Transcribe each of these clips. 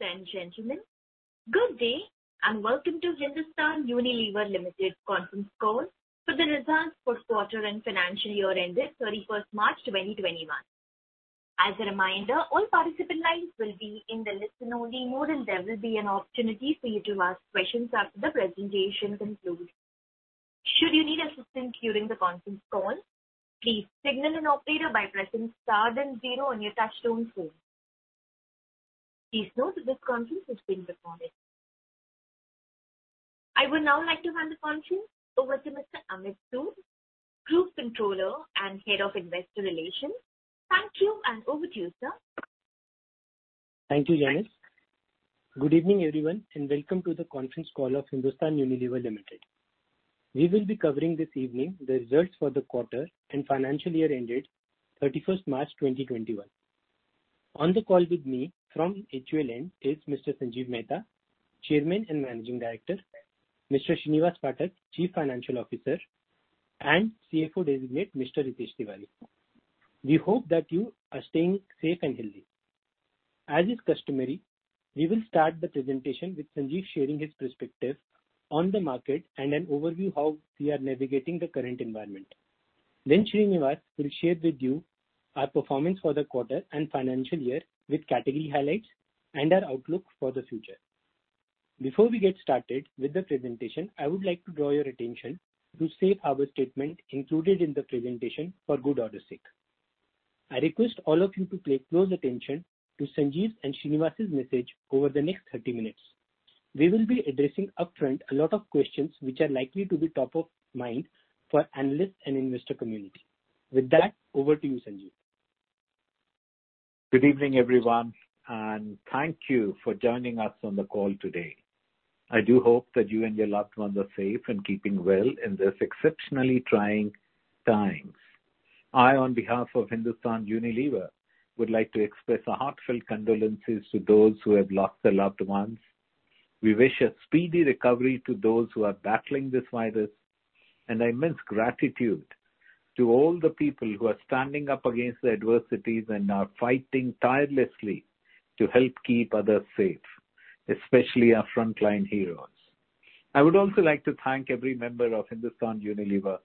Ladies and gentlemen, good day and welcome to Hindustan Unilever Limited Conference Call for the results for quarter and financial year ended 31st March 2021. As a reminder, all participant lines will be in the listen-only mode, and there will be an opportunity for you to ask questions after the presentation concludes. Should you need assistance during the conference call, please signal an operator by pressing star then zero on your touch-tone phone. Please note that this conference is being recorded. I would now like to hand the conference over to Mr. Amit Sood, Group Controller and Head of Investor Relations. Thank you, and over to you, sir. Thank you, Janice. Good evening, everyone, and welcome to the conference call of Hindustan Unilever Limited. We will be covering this evening the results for the quarter and financial year ended 31st March 2021. On the call with me from HUL and is Mr. Sanjiv Mehta, Chairman and Managing Director, Mr. Srinivas Phatak, Chief Financial Officer, and CFO Designate, Mr. Ritesh Tiwari. We hope that you are staying safe and healthy. As is customary, we will start the presentation with Sanjiv sharing his perspective on the market and an overview of how we are navigating the current environment. Then Srinivas will share with you our performance for the quarter and financial year with category highlights and our outlook for the future. Before we get started with the presentation, I would like to draw your attention to the Safe Harbor Statement included in the presentation for good order's sake. I request all of you to pay close attention to Sanjiv's and Srinivas's message over the next 30 minutes. We will be addressing upfront a lot of questions which are likely to be top of mind for the analysts and investor community. With that, over to you, Sanjiv. Good evening, everyone, and thank you for joining us on the call today. I do hope that you and your loved ones are safe and keeping well in these exceptionally trying times. I, on behalf of Hindustan Unilever, would like to express heartfelt condolences to those who have lost their loved ones. We wish a speedy recovery to those who are battling this virus, and immense gratitude to all the people who are standing up against the adversities and are fighting tirelessly to help keep others safe, especially our frontline heroes. I would also like to thank every member of Hindustan Unilever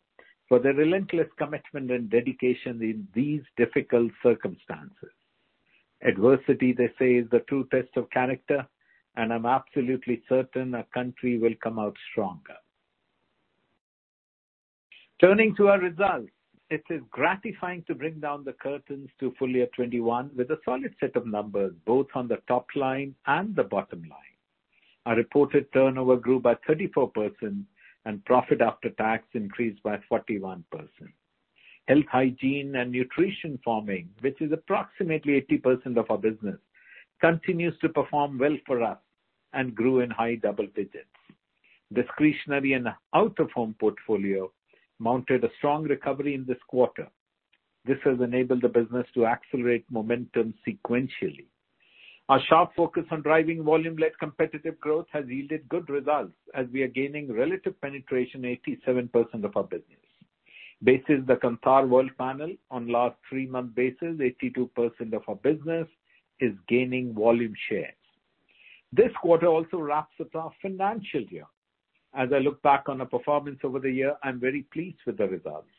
for their relentless commitment and dedication in these difficult circumstances. Adversity, they say, is the true test of character, and I'm absolutely certain our country will come out stronger. Turning to our results, it is gratifying to bring down the curtain on full year 2021 with a solid set of numbers, both on the top line and the bottom line. Our reported turnover grew by 34%, and profit after tax increased by 41%. Health, hygiene, and nutrition, forming which is approximately 80% of our business, continues to perform well for us and grew in high double digits. The discretionary and out-of-home portfolio mounted a strong recovery in this quarter. This has enabled the business to accelerate momentum sequentially. Our sharp focus on driving volume-led competitive growth has yielded good results as we are gaining relative penetration in 87% of our business. Based on the Kantar Worldpanel, on a last three-month basis, 82% of our business is gaining volume shares. This quarter also wraps up our financial year. As I look back on our performance over the year, I'm very pleased with the results.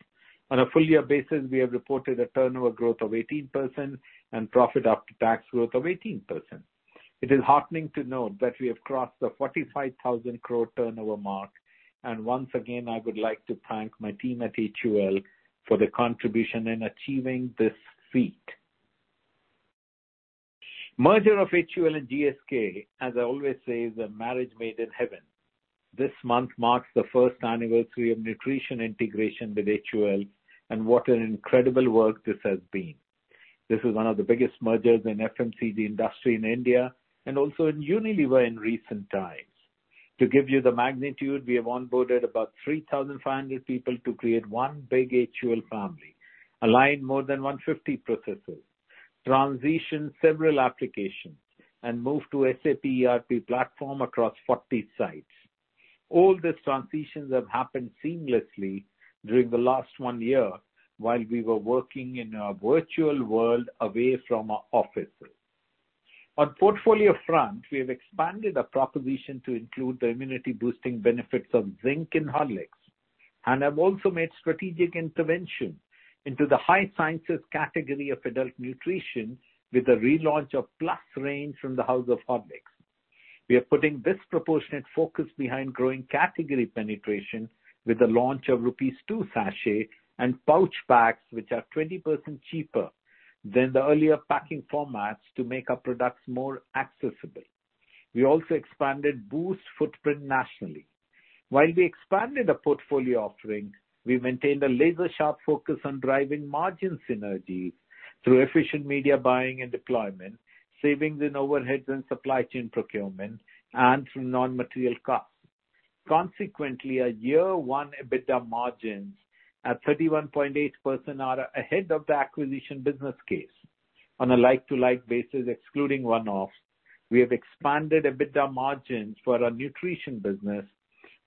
On a full-year basis, we have reported a turnover growth of 18% and profit after tax growth of 18%. It is heartening to note that we have crossed the 45,000 crore turnover mark, and once again, I would like to thank my team at HUL for their contribution in achieving this feat. The merger of HUL and GSK, as I always say, is a marriage made in heaven. This month marks the first anniversary of nutrition integration with HUL, and what an incredible work this has been. This is one of the biggest mergers in the FMCG industry in India and also in Unilever in recent times. To give you the magnitude, we have onboarded about 3,500 people to create one big HUL family, aligned more than 150 processes, transitioned several applications, and moved to the SAP ERP platform across 40 sites. All these transitions have happened seamlessly during the last one year while we were working in a virtual world away from our offices. On the portfolio front, we have expanded our proposition to include the immunity-boosting benefits of zinc and Horlicks, and have also made strategic intervention into the high-sensitive category of adult nutrition with the relaunch of Plus range from the house of Horlicks. We are putting disproportionate focus behind growing category penetration with the launch of rupees 2 sachets and pouch packs, which are 20% cheaper than the earlier packing formats to make our products more accessible. We also expanded Boost footprint nationally. While we expanded our portfolio offering, we maintained a laser-sharp focus on driving margin synergies through efficient media buying and deployment, savings in overheads and supply chain procurement, and through non-material costs. Consequently, our year-one EBITDA margins are 31.8% ahead of the acquisition business case. On a like-to-like basis, excluding one-offs, we have expanded EBITDA margins for our nutrition business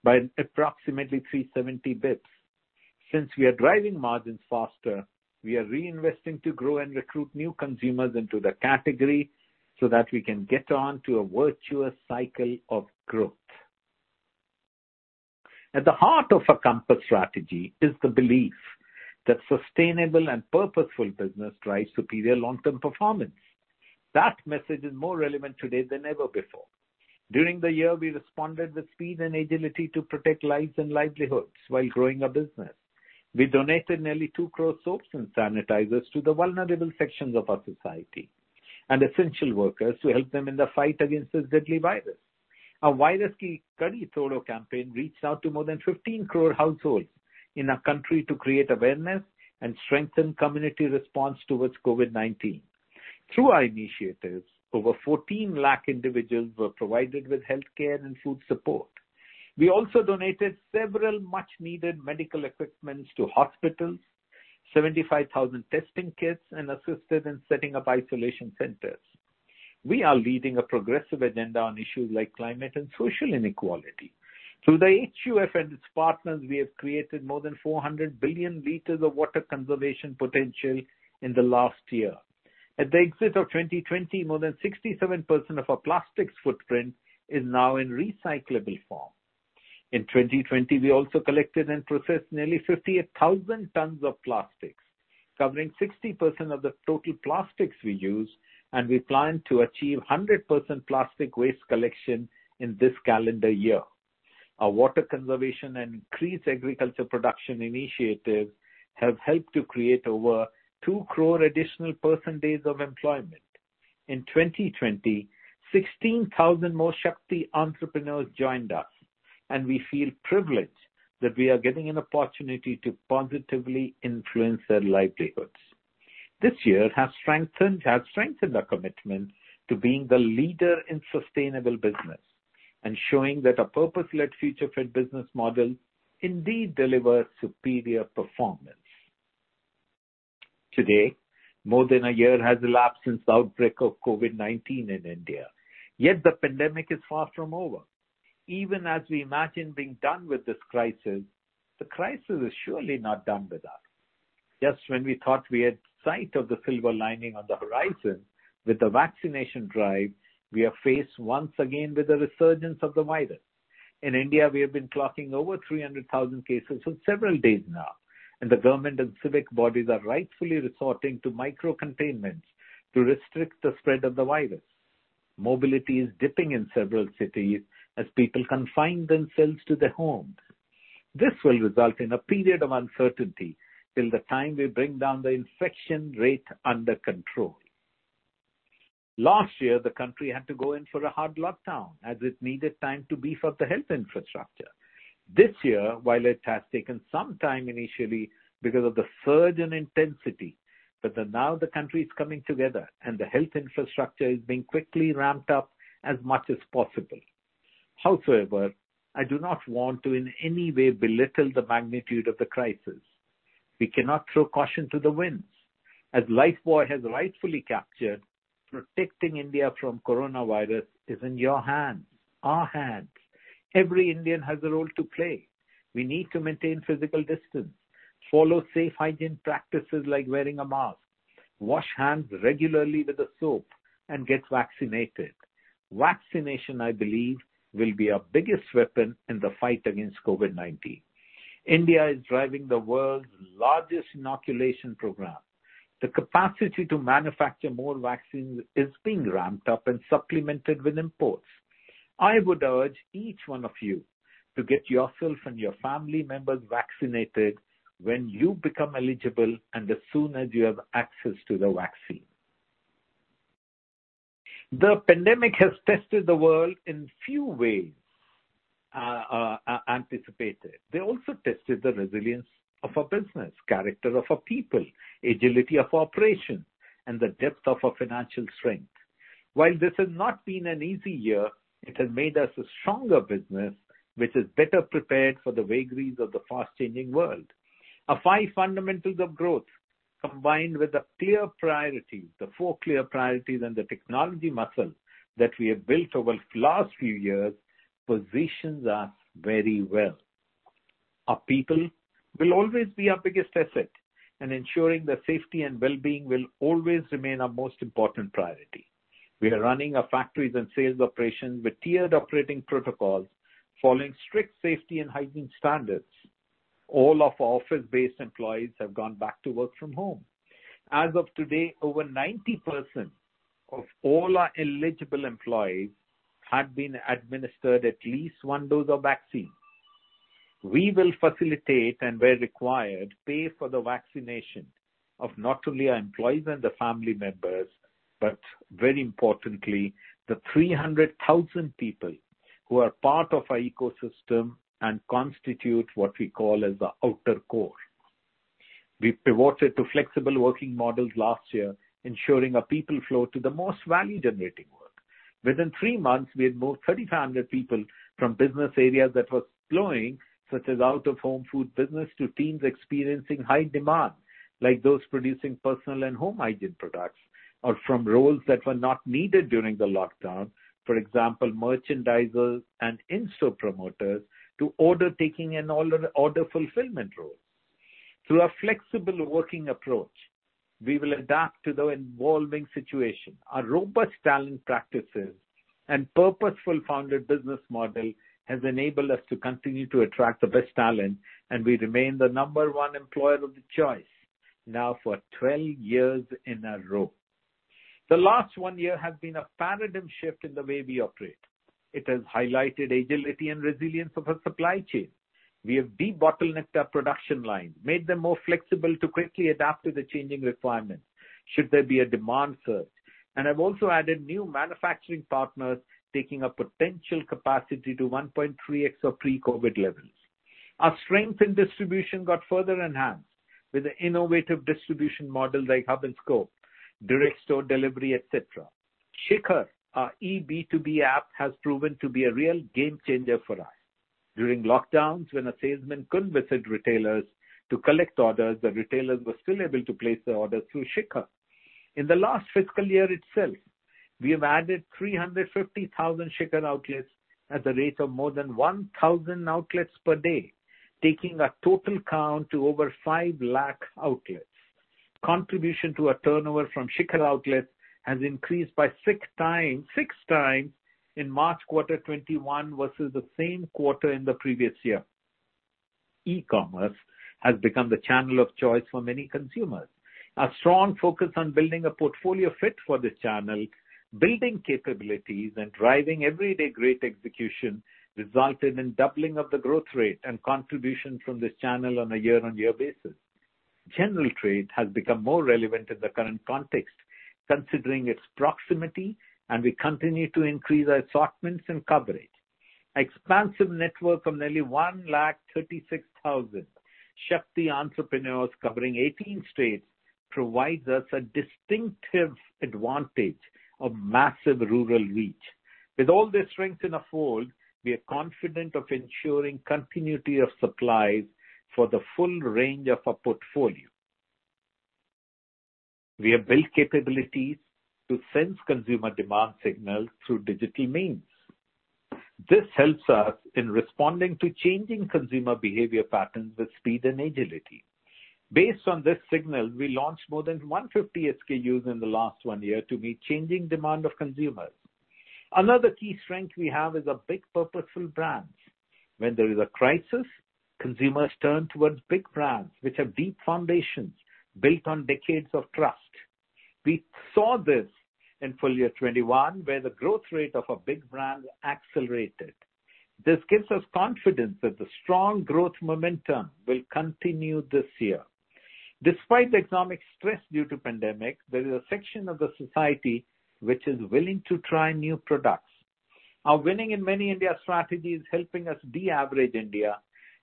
by approximately 370 basis points. Since we are driving margins faster, we are reinvesting to grow and recruit new consumers into the category so that we can get on to a virtuous cycle of growth. At the heart of our compass strategy is the belief that sustainable and purposeful business drives superior long-term performance. That message is more relevant today than ever before. During the year, we responded with speed and agility to protect lives and livelihoods while growing our business. We donated nearly two crore soaps and sanitizers to the vulnerable sections of our society and essential workers to help them in the fight against this deadly virus. Our VirusKi Kadi Todo campaign reached out to more than 15 crore households in our country to create awareness and strengthen community response towards COVID-19. Through our initiatives, over 14 lakh individuals were provided with healthcare and food support. We also donated several much-needed medical equipment to hospitals, 75,000 testing kits, and assisted in setting up isolation centers. We are leading a progressive agenda on issues like climate and social inequality. Through the HUF and its partners, we have created more than 400 billion liters of water conservation potential in the last year. At the end of 2020, more than 67% of our plastics footprint is now in recyclable form. In 2020, we also collected and processed nearly 58,000 tons of plastics, covering 60% of the total plastics we use, and we plan to achieve 100% plastic waste collection in this calendar year. Our water conservation and increased agriculture production initiatives have helped to create over two crore additional person-days of employment. In 2020, 16,000 more Shakti entrepreneurs joined us, and we feel privileged that we are getting an opportunity to positively influence their livelihoods. This year has strengthened our commitment to being the leader in sustainable business and showing that our purpose-led future-fit business models indeed deliver superior performance. Today, more than a year has elapsed since the outbreak of COVID-19 in India, yet the pandemic is far from over. Even as we imagine being done with this crisis, the crisis is surely not done with us. Just when we thought we had sight of the silver lining on the horizon with the vaccination drive, we are faced once again with the resurgence of the virus. In India, we have been clocking over 300,000 cases for several days now, and the government and civic bodies are rightfully resorting to microcontainment to restrict the spread of the virus. Mobility is dipping in several cities as people confine themselves to their homes. This will result in a period of uncertainty till the time we bring down the infection rate under control. Last year, the country had to go in for a hard lockdown as it needed time to beef up the health infrastructure. This year, while it has taken some time initially because of the surge in intensity, now the country is coming together, and the health infrastructure is being quickly ramped up as much as possible. However, I do not want to in any way belittle the magnitude of the crisis. We cannot throw caution to the winds. As Lifebuoy has rightfully captured, protecting India from coronavirus is in your hands, our hands. Every Indian has a role to play. We need to maintain physical distance, follow safe hygiene practices like wearing a mask, wash hands regularly with the soap, and get vaccinated. Vaccination, I believe, will be our biggest weapon in the fight against COVID-19. India is driving the world's largest inoculation program. The capacity to manufacture more vaccines is being ramped up and supplemented with imports. I would urge each one of you to get yourself and your family members vaccinated when you become eligible and as soon as you have access to the vaccine. The pandemic has tested the world in a few ways anticipated. They also tested the resilience of our business, character of our people, agility of operations, and the depth of our financial strength. While this has not been an easy year, it has made us a stronger business which is better prepared for the vagaries of the fast-changing world. Our five fundamentals of growth, combined with the four clear priorities and the technology muscle that we have built over the last few years, positions us very well. Our people will always be our biggest asset, and ensuring the safety and well-being will always remain our most important priority. We are running our factories and sales operations with tiered operating protocols, following strict safety and hygiene standards. All of our office-based employees have gone back to work from home. As of today, over 90% of all our eligible employees have been administered at least one dose of vaccine. We will facilitate, and where required, pay for the vaccination of not only our employees and the family members, but very importantly, the 300,000 people who are part of our ecosystem and constitute what we call the outer core. We pivoted to flexible working models last year, ensuring our people flow to the most value-generating work. Within three months, we had moved 3,500 people from business areas that were slowing, such as out-of-home food business, to teams experiencing high demand, like those producing personal and home hygiene products, or from roles that were not needed during the lockdown, for example, merchandisers and in-store promoters to order-taking and order fulfillment roles. Through our flexible working approach, we will adapt to the evolving situation. Our robust talent practices and purposeful founder business model have enabled us to continue to attract the best talent, and we remain the number one employer of choice now for 12 years in a row. The last one year has been a paradigm shift in the way we operate. It has highlighted agility and resilience of our supply chain. We have de-bottlenecked our production lines, made them more flexible to quickly adapt to the changing requirements should there be a demand surge, and have also added new manufacturing partners taking our potential capacity to 1.3x our pre-COVID levels. Our strength in distribution got further enhanced with an innovative distribution model like Hub and Spoke, direct store delivery, etc. Shikhar, our eB2B app, has proven to be a real game changer for us. During lockdowns, when a salesman couldn't visit retailers to collect orders, the retailers were still able to place the orders through Shikhar. In the last fiscal year itself, we have added 350,000 Shikhar outlets at the rate of more than 1,000 outlets per day, taking our total count to over 5 lakh outlets. Contribution to our turnover from Shikhar outlets has increased by six times in March quarter 2021 versus the same quarter in the previous year. E-commerce has become the channel of choice for many consumers. Our strong focus on building a portfolio fit for this channel, building capabilities, and driving everyday great execution resulted in doubling of the growth rate and contribution from this channel on a year-on-year basis. General Trade has become more relevant in the current context, considering its proximity, and we continue to increase our assortments and coverage. An expansive network of nearly 1,360,000 Shakti entrepreneurs covering 18 states provides us a distinctive advantage of massive rural reach. With all this strength in the fold, we are confident of ensuring continuity of supplies for the full range of our portfolio. We have built capabilities to sense consumer demand signals through digital means. This helps us in responding to changing consumer behavior patterns with speed and agility. Based on this signal, we launched more than 150 SKUs in the last one year to meet changing demand of consumers. Another key strength we have is our big purposeful brands. When there is a crisis, consumers turn towards big brands which have deep foundations built on decades of trust. We saw this in full year 2021, where the growth rate of our big brands accelerated. This gives us confidence that the strong growth momentum will continue this year. Despite the economic stress due to the pandemic, there is a section of the society which is willing to try new products. Our Winning in Many Indias strategy is helping us de-average India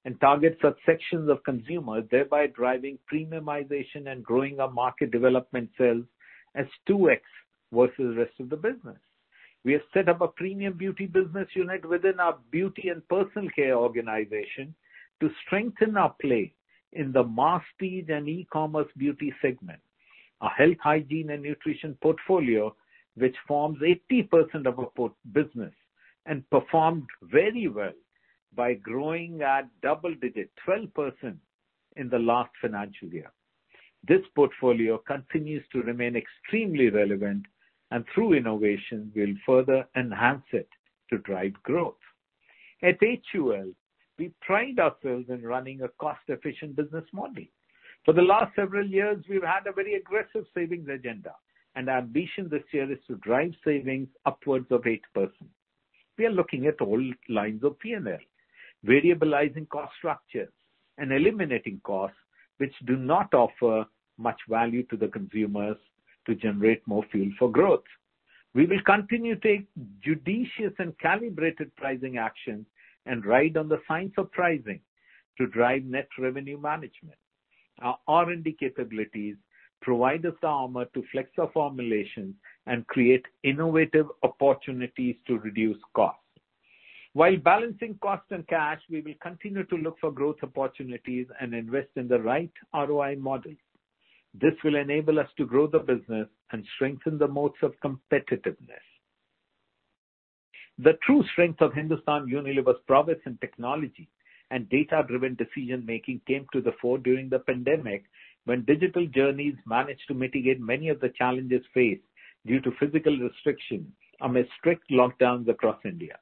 and target subsections of consumers, thereby driving premiumization and growing our market development sales as 2x versus the rest of the business. We have set up a premium beauty business unit within our Beauty and Personal Care organization to strengthen our play in the mass premium and e-commerce beauty segment. Our health, hygiene, and nutrition portfolio, which forms 80% of our business, has performed very well by growing at double digits, 12%, in the last financial year. This portfolio continues to remain extremely relevant, and through innovation, we'll further enhance it to drive growth. At HUL, we pride ourselves in running a cost-efficient business model. For the last several years, we've had a very aggressive savings agenda, and our ambition this year is to drive savings upwards of 8%. We are looking at all lines of P&L, variabilizing cost structures, and eliminating costs which do not offer much value to the consumers to generate more fuel for growth. We will continue to take judicious and calibrated pricing actions and ride on the science of pricing to drive net revenue management. Our R&D capabilities provide us the armor to flex our formulations and create innovative opportunities to reduce costs. While balancing cost and cash, we will continue to look for growth opportunities and invest in the right ROI models. This will enable us to grow the business and strengthen the motes of competitiveness. The true strength of Hindustan Unilever's prowess in technology and data-driven decision-making came to the fore during the pandemic when digital journeys managed to mitigate many of the challenges faced due to physical restrictions amidst strict lockdowns across India.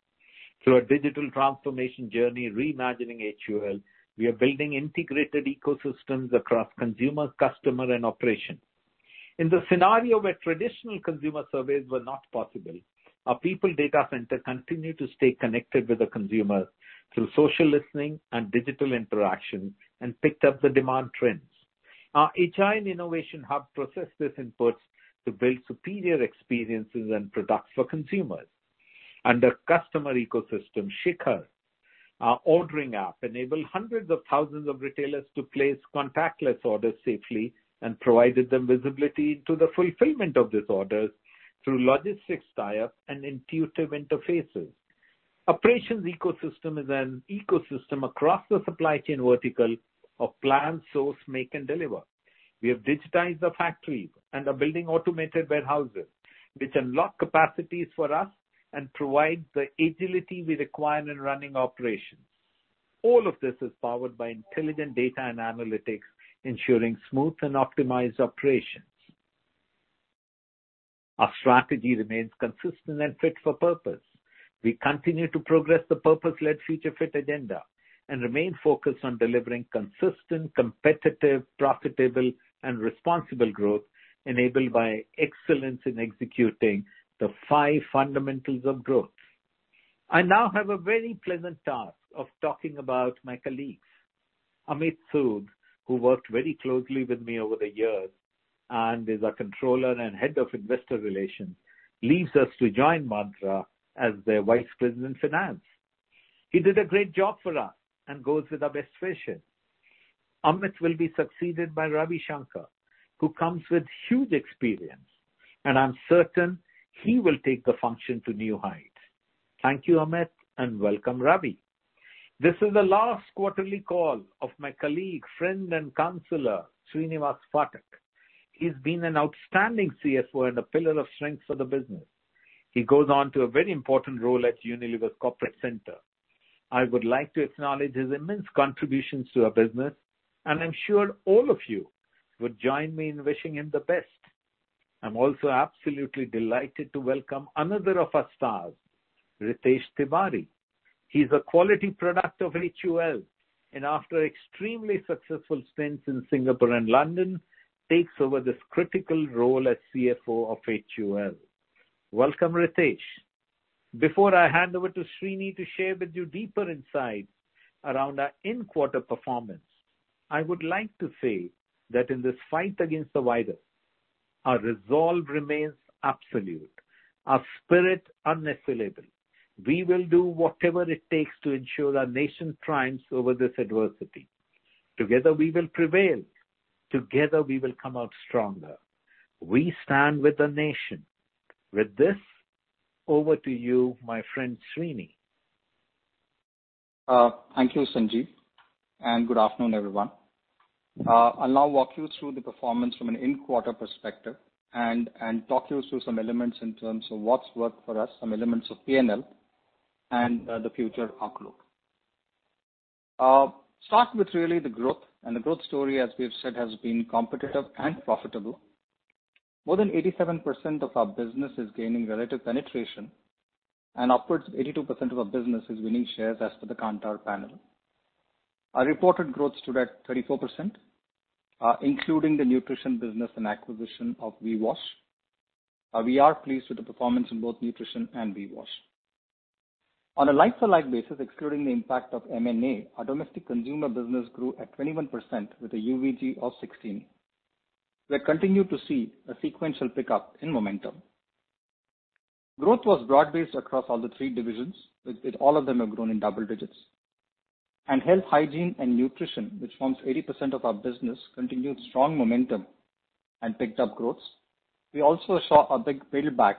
Through our digital transformation journey, Reimagining HUL, we are building integrated ecosystems across consumer, customer, and operation. In the scenario where traditional consumer surveys were not possible, our people data center continued to stay connected with the consumers through social listening and digital interaction and picked up the demand trends. Our HR and Innovation Hub processed this input to build superior experiences and products for consumers. Under customer ecosystem, Shikhar, our ordering app enabled hundreds of thousands of retailers to place contactless orders safely and provided them visibility into the fulfillment of these orders through logistics ties and intuitive interfaces. Operations ecosystem is an ecosystem across the supply chain vertical of plant, source, make, and deliver. We have digitized our factories and are building automated warehouses which unlock capacities for us and provide the agility we require in running operations. All of this is powered by intelligent data and analytics, ensuring smooth and optimized operations. Our strategy remains consistent and fit for purpose. We continue to progress the purpose-led future-fit agenda and remain focused on delivering consistent, competitive, profitable, and responsible growth enabled by excellence in executing the five fundamentals of growth. I now have a very pleasant task of talking about my colleagues. Amit Sood, who worked very closely with me over the years and is our controller and head of investor relations, leaves us to join Myntra as their vice president finance. He did a great job for us and goes with our best wishes. Amit will be succeeded by Ravi Shankar, who comes with huge experience, and I'm certain he will take the function to new heights. Thank you, Amit, and welcome, Ravi. This is the last quarterly call of my colleague, friend, and counselor, Srinivas Phatak. He's been an outstanding CFO and a pillar of strength for the business. He goes on to a very important role at Unilever's corporate center. I would like to acknowledge his immense contributions to our business, and I'm sure all of you would join me in wishing him the best. I'm also absolutely delighted to welcome another of our stars, Ritesh Tiwari. He's a quality product of HUL and, after extremely successful stints in Singapore and London, takes over this critical role as CFO of HUL. Welcome, Ritesh. Before I hand over to Srini to share with you deeper insights around our in-quarter performance, I would like to say that in this fight against the virus, our resolve remains absolute, our spirit unassailable. We will do whatever it takes to ensure our nation triumphs over this adversity. Together, we will prevail. Together, we will come out stronger. We stand with the nation. With this, over to you, my friend Srini. Thank you, Sanjiv, and good afternoon, everyone. I'll now walk you through the performance from an in-quarter perspective and talk you through some elements in terms of what's worked for us, some elements of P&L, and the future outlook. Start with really the growth, and the growth story, as we've said, has been competitive and profitable. More than 87% of our business is gaining relative penetration, and upwards of 82% of our business is winning shares as per the Kantar panel. Our reported growth stood at 34%, including the nutrition business and acquisition of VWash. We are pleased with the performance in both nutrition and VWash. On a like-for-like basis, excluding the impact of M&A, our domestic consumer business grew at 21% with a UVG of 16%. We continue to see a sequential pickup in momentum. Growth was broad-based across all the three divisions, with all of them growing in double digits, and health, hygiene, and nutrition, which forms 80% of our business, continued strong momentum and picked up growth. We also saw a big pullback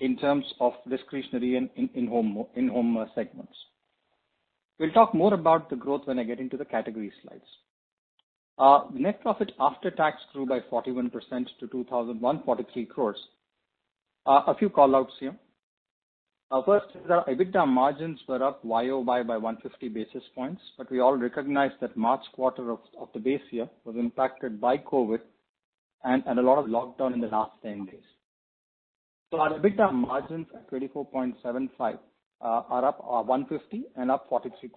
in terms of discretionary and in-home segments. We'll talk more about the growth when I get into the category slides. Net profit after tax grew by 41% to 2,143 crores. A few callouts here. First is our EBITDA margins were up YoY by 150 basis points, but we all recognize that March quarter of the base year was impacted by COVID and a lot of lockdown in the last 10 days. So our EBITDA margins at 24.75 are up 150 and up 43%.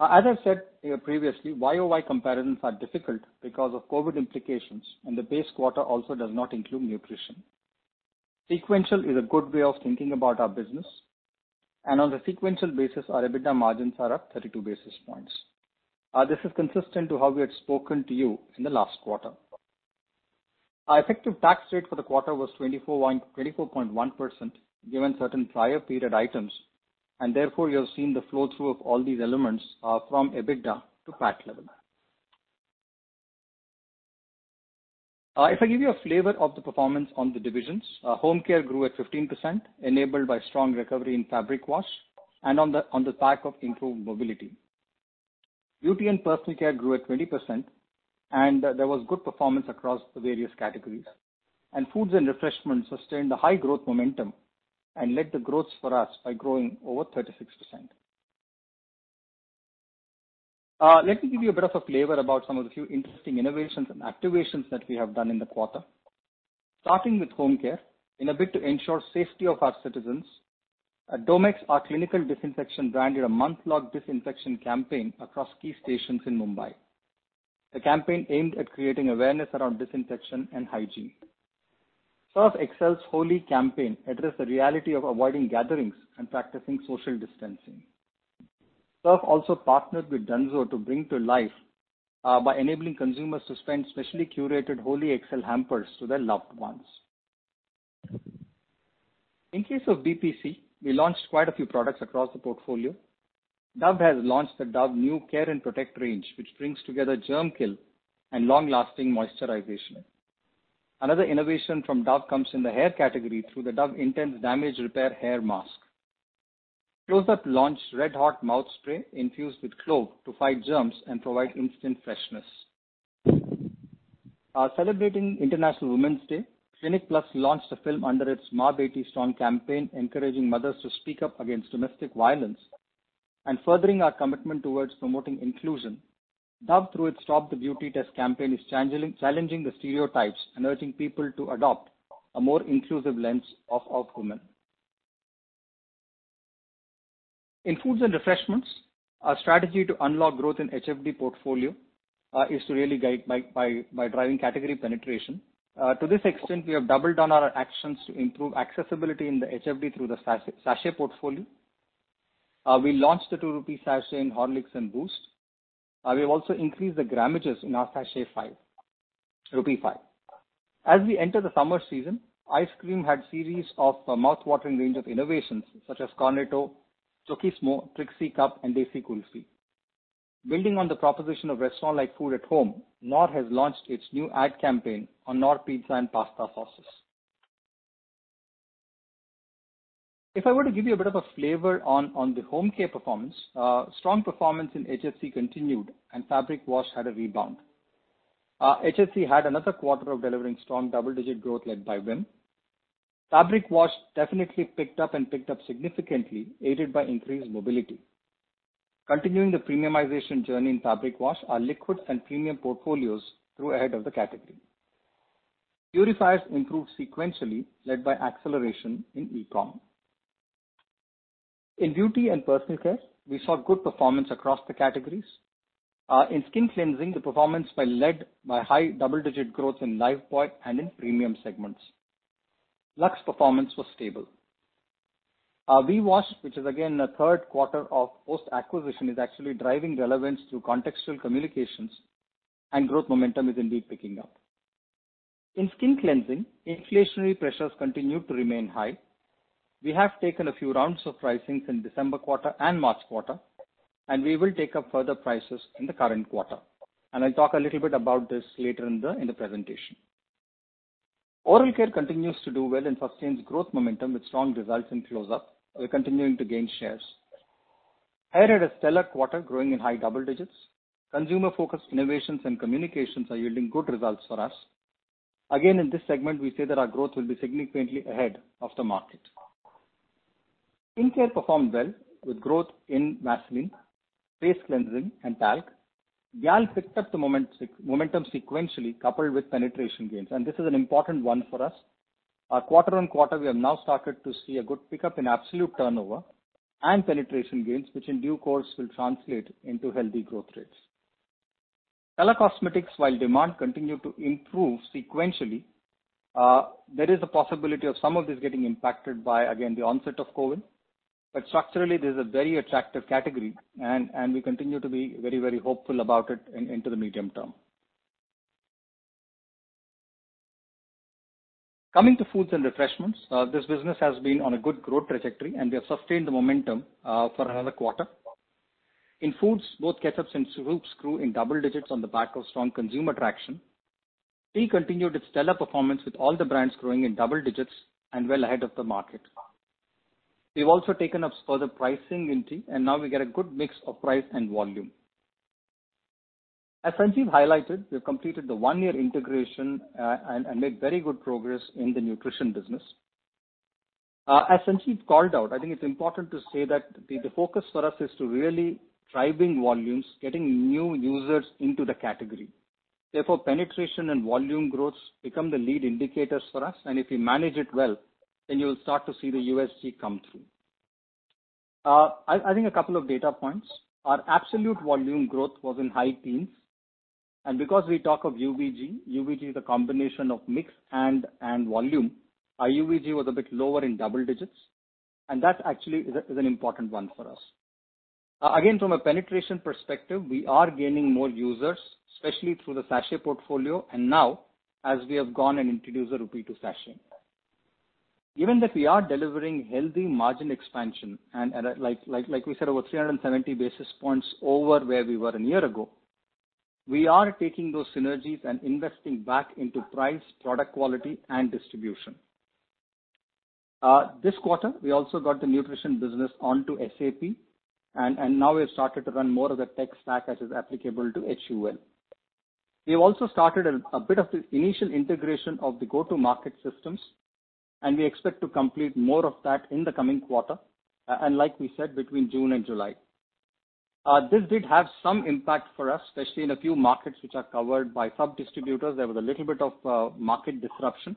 As I've said previously, YoY comparisons are difficult because of COVID implications, and the base quarter also does not include nutrition. Sequential is a good way of thinking about our business, and on the sequential basis, our EBITDA margins are up 32 basis points. This is consistent to how we had spoken to you in the last quarter. Our effective tax rate for the quarter was 24.1% given certain prior period items, and therefore you have seen the flow-through of all these elements from EBITDA to PAT level. If I give you a flavor of the performance on the divisions, Home Care grew at 15%, enabled by strong recovery in fabric wash and on the back of improved mobility. Beauty and Personal Care grew at 20%, and there was good performance across the various categories. And Foods and Refreshment sustained a high growth momentum and led the growth for us by growing over 36%. Let me give you a bit of a flavor about some of the few interesting innovations and activations that we have done in the quarter. Starting with Home Care, in a bid to ensure the safety of our citizens, Domex, our surface disinfection brand, did a month-long disinfection campaign across key stations in Mumbai. The campaign aimed at creating awareness around disinfection and hygiene. Surf Excel's Holi campaign addressed the reality of avoiding gatherings and practicing social distancing. Surf Excel also partnered with Dunzo to bring to life by enabling consumers to send specially curated Holi Surf Excel hampers to their loved ones. In case of BPC, we launched quite a few products across the portfolio. Dove has launched the Dove Care and Protect range, which brings together germ kill and long-lasting moisturization. Another innovation from Dove comes in the hair category through the Dove Intense Damage Repair Hair Mask. Closeup launched Red Hot Mouth Spray infused with clove to fight germs and provide instant freshness. Celebrating International Women's Day, Clinic Plus launched a film under its Meri Beti Strong campaign, encouraging mothers to speak up against domestic violence and furthering our commitment towards promoting inclusion. Dove, through its Stop the Beauty Test campaign, is challenging the stereotypes and urging people to adopt a more inclusive lens of women. In foods and refreshments, our strategy to unlock growth in HFD portfolio is to really guide by driving category penetration. To this extent, we have doubled down our actions to improve accessibility in the HFD through the sachet portfolio. We launched the two-rupee sachet in Horlicks and Boost. We have also increased the grammages in our sachet rupee 5. As we enter the summer season, ice cream had a series of mouthwatering range of innovations such as Cornetto Chokissimo, Trixy Cup, and Desi Kulfi. Building on the proposition of restaurant-like food at home, Knorr has launched its new ad campaign on Knorr pizza and pasta sauces. If I were to give you a bit of a flavor on the home care performance, strong performance in HFC continued, and Fabric Wash had a rebound. HFC had another quarter of delivering strong double-digit growth led by Vim. Fabric Wash definitely picked up and picked up significantly, aided by increased mobility. Continuing the premiumization journey in Fabric Wash, our liquid and premium portfolios grew ahead of the category. Purifiers improved sequentially, led by acceleration in e-comm. In beauty and personal care, we saw good performance across the categories. In skin cleansing, the performance led by high double-digit growth in Lifebuoy and in premium segments. Lux performance was stable. VWash, which is again a third quarter of post-acquisition, is actually driving relevance through contextual communications, and growth momentum is indeed picking up. In skin cleansing, inflationary pressures continued to remain high. We have taken a few rounds of pricings in December quarter and March quarter, and we will take up further prices in the current quarter. And I'll talk a little bit about this later in the presentation. Oral care continues to do well and sustains growth momentum with strong results in Closeup, continuing to gain shares. Hair had a stellar quarter, growing in high double digits. Consumer-focused innovations and communications are yielding good results for us. Again, in this segment, we say that our growth will be significantly ahead of the market. Skincare performed well with growth in Vaseline, Face Cleansing, and Talc. GAL picked up the momentum sequentially, coupled with penetration gains, and this is an important one for us. Quarter on quarter, we have now started to see a good pickup in absolute turnover and penetration gains, which in due course will translate into healthy growth rates. Color Cosmetics, while demand continued to improve sequentially, there is a possibility of some of these getting impacted by, again, the onset of COVID. But structurally, this is a very attractive category, and we continue to be very, very hopeful about it into the medium term. Coming to foods and refreshments, this business has been on a good growth trajectory, and we have sustained the momentum for another quarter. In foods, both ketchups and syrups grew in double digits on the back of strong consumer traction. Tea continued its stellar performance, with all the brands growing in double digits and well ahead of the market. We've also taken up further pricing in tea, and now we get a good mix of price and volume. As Sanjiv highlighted, we have completed the one-year integration and made very good progress in the nutrition business. As Sanjiv called out, I think it's important to say that the focus for us is to really drive volumes, getting new users into the category. Therefore, penetration and volume growth become the lead indicators for us, and if you manage it well, then you will start to see the UVG come through. I think a couple of data points. Our absolute volume growth was in high teens, and because we talk of UVG, UVG is a combination of mix and volume, our UVG was a bit lower in double digits, and that actually is an important one for us. Again, from a penetration perspective, we are gaining more users, especially through the sachet portfolio and now as we have gone and introduced the rupee 2 sachet. Given that we are delivering healthy margin expansion, and like we said, over 370 basis points over where we were a year ago, we are taking those synergies and investing back into price, product quality, and distribution. This quarter, we also got the nutrition business onto SAP, and now we have started to run more of the tech stack as is applicable to HUL. We have also started a bit of the initial integration of the go-to-market systems, and we expect to complete more of that in the coming quarter, and like we said, between June and July. This did have some impact for us, especially in a few markets which are covered by sub-distributors. There was a little bit of market disruption,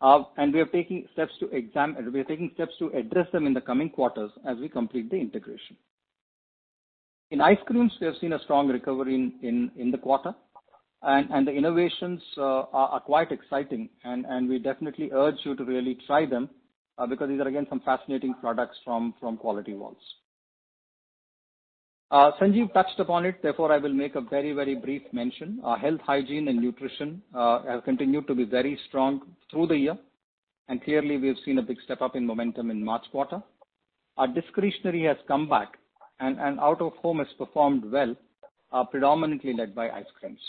and we are taking steps to address them in the coming quarters as we complete the integration. In ice creams, we have seen a strong recovery in the quarter, and the innovations are quite exciting, and we definitely urge you to really try them because these are, again, some fascinating products from Kwality Wall's. Sanjiv touched upon it. Therefore, I will make a very, very brief mention. Health, hygiene, and nutrition have continued to be very strong through the year, and clearly, we have seen a big step-up in momentum in March quarter. Our discretionary has come back, and out-of-home has performed well, predominantly led by ice creams.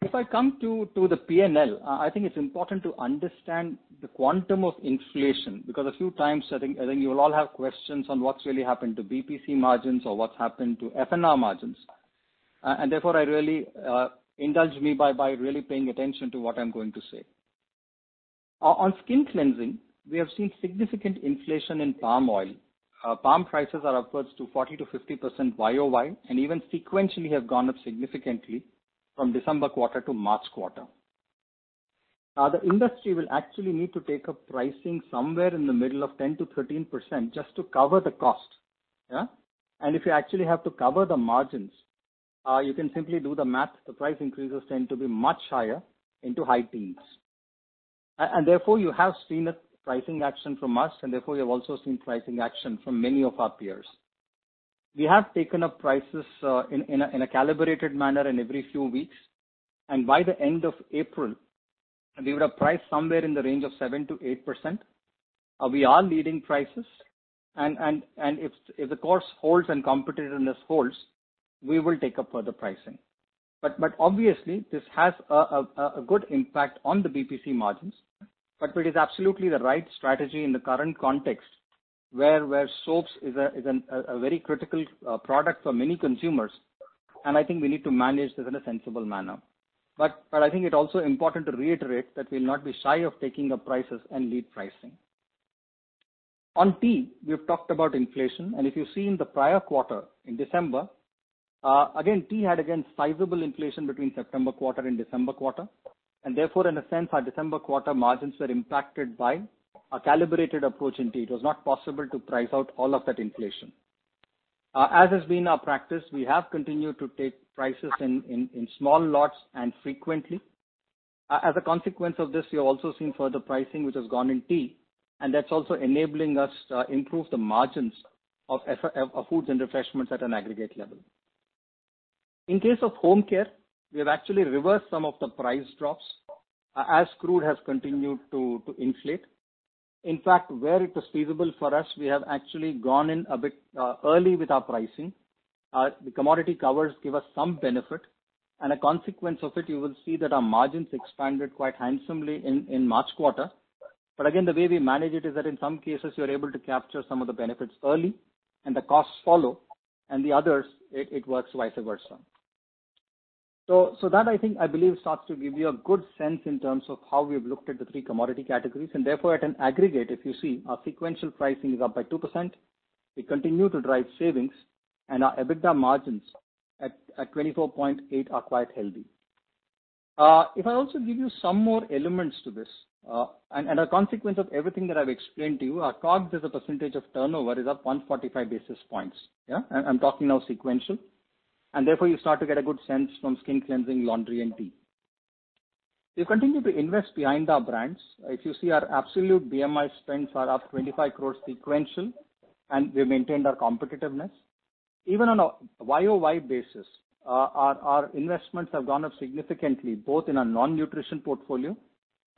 If I come to the P&L, I think it's important to understand the quantum of inflation because a few times, I think you will all have questions on what's really happened to BPC margins or what's happened to F&R margins, and therefore, really indulge me by really paying attention to what I'm going to say. On skin cleansing, we have seen significant inflation in palm oil. Palm prices are upwards to 40%-50% YoY and even sequentially have gone up significantly from December quarter to March quarter. The industry will actually need to take a pricing somewhere in the middle of 10%-13% just to cover the cost, and if you actually have to cover the margins, you can simply do the math. The price increases tend to be much higher into high teens, and therefore, you have seen pricing action from us, and therefore, you have also seen pricing action from many of our peers. We have taken up prices in a calibrated manner in every few weeks, and by the end of April, we would have priced somewhere in the range of 7%-8%. We are leading prices, and if the course holds and competitiveness holds, we will take up further pricing. But obviously, this has a good impact on the BPC margins, but it is absolutely the right strategy in the current context where soaps is a very critical product for many consumers, and I think we need to manage this in a sensible manner. But I think it's also important to reiterate that we'll not be shy of taking up prices and lead pricing. On tea, we have talked about inflation, and if you've seen the prior quarter in December, again, tea had, again, sizable inflation between September quarter and December quarter, and therefore, in a sense, our December quarter margins were impacted by a calibrated approach in tea. It was not possible to price out all of that inflation. As has been our practice, we have continued to take prices in small lots and frequently. As a consequence of this, we have also seen further pricing which has gone in tea, and that's also enabling us to improve the margins of foods and refreshments at an aggregate level. In case of home care, we have actually reversed some of the price drops as crude has continued to inflate. In fact, where it was feasible for us, we have actually gone in a bit early with our pricing. The commodity covers give us some benefit, and a consequence of it, you will see that our margins expanded quite handsomely in March quarter. But again, the way we manage it is that in some cases, you're able to capture some of the benefits early, and the costs follow, and the others, it works vice versa. So that, I think, I believe starts to give you a good sense in terms of how we have looked at the three commodity categories, and therefore, at an aggregate, if you see, our sequential pricing is up by 2%. We continue to drive savings, and our EBITDA margins at 24.8% are quite healthy. If I also give you some more elements to this, and a consequence of everything that I've explained to you, our COGS, as a percentage of turnover, is up 145 basis points. I'm talking now sequential, and therefore, you start to get a good sense from skin cleansing, laundry, and tea. We continue to invest behind our brands. If you see, our absolute BMI spends are up 25 crores sequential, and we maintained our competitiveness. Even on a YoY basis, our investments have gone up significantly, both in our non-nutrition portfolio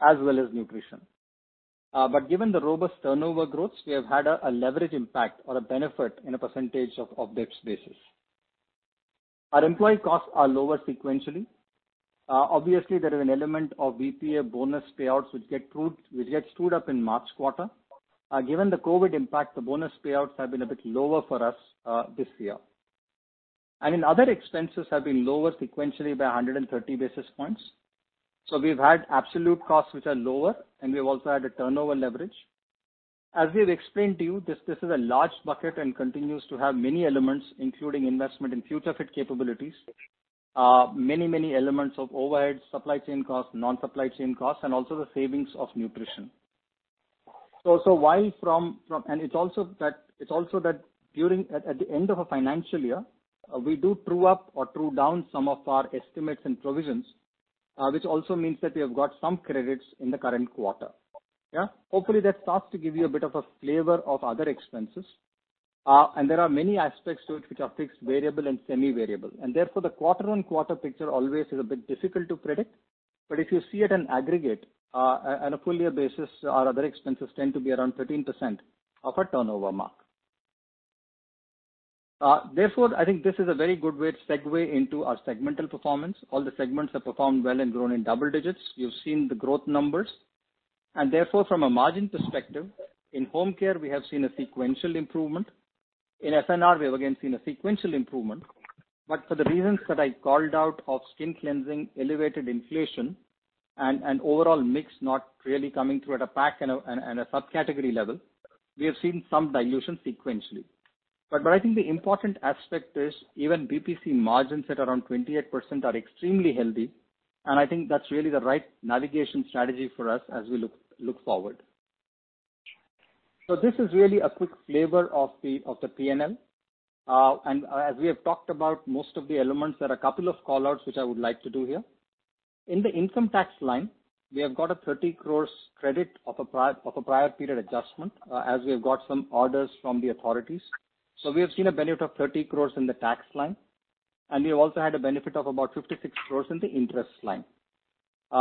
as well as nutrition. Given the robust turnover growths, we have had a leverage impact or a benefit in a percentage point basis. Our employee costs are lower sequentially. Obviously, there is an element of BPA bonus payouts which gets accrued in March quarter. Given the COVID impact, the bonus payouts have been a bit lower for us this year. And other expenses have been lower sequentially by 130 basis points. So we've had absolute costs which are lower, and we've also had a turnover leverage. As we have explained to you, this is a large bucket and continues to have many elements, including investment in future-fit capabilities, many, many elements of overhead, supply chain costs, non-supply chain costs, and also the savings of nutrition. So while from, and it's also that during at the end of a financial year, we do true up or true down some of our estimates and provisions, which also means that we have got some credits in the current quarter. Hopefully, that starts to give you a bit of a flavor of other expenses, and there are many aspects to it which are fixed, variable, and semi-variable. Therefore, the quarter-on-quarter picture always is a bit difficult to predict, but if you see it in aggregate, on a full-year basis, our other expenses tend to be around 13% of our turnover mark. Therefore, I think this is a very good way to segue into our segmental performance. All the segments have performed well and grown in double digits. You have seen the growth numbers. Therefore, from a margin perspective, in home care, we have seen a sequential improvement. In F&R, we have again seen a sequential improvement, but for the reasons that I called out of skin cleansing, elevated inflation, and overall mix not really coming through at a pack and a subcategory level, we have seen some dilution sequentially. But I think the important aspect is even BPC margins at around 28% are extremely healthy, and I think that's really the right navigation strategy for us as we look forward. So this is really a quick flavor of the P&L. As we have talked about most of the elements, there are a couple of callouts which I would like to do here. In the income tax line, we have got an 30 crore credit of a prior period adjustment as we have got some orders from the authorities. We have seen a benefit of 300 million in the tax line, and we have also had a benefit of about 560 million in the interest line.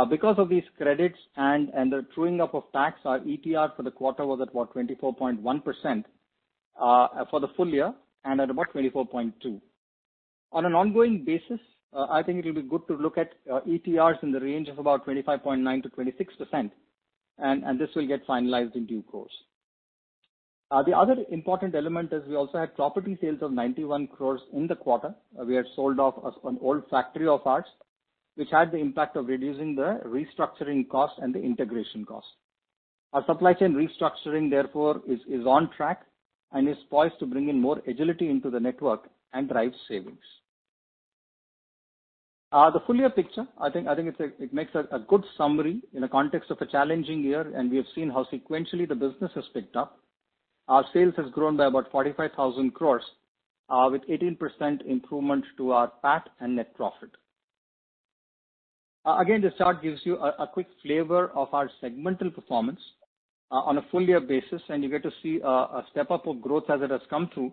Because of these credits and the truing up of tax, our ETR for the quarter was at about 24.1% for the full year and at about 24.2%. On an ongoing basis, I think it will be good to look at ETRs in the range of about 25.9%-26%, and this will get finalized in due course. The other important element is we also had property sales of 910 million in the quarter. We had sold off an old factory of ours, which had the impact of reducing the restructuring cost and the integration cost. Our supply chain restructuring, therefore, is on track and is poised to bring in more agility into the network and drive savings. The full-year picture, I think it makes a good summary in the context of a challenging year, and we have seen how sequentially the business has picked up. Our sales have grown by about 45,000 crores with 18% improvement to our PAT and net profit. Again, this chart gives you a quick flavor of our segmental performance on a full-year basis, and you get to see a step-up of growth as it has come through,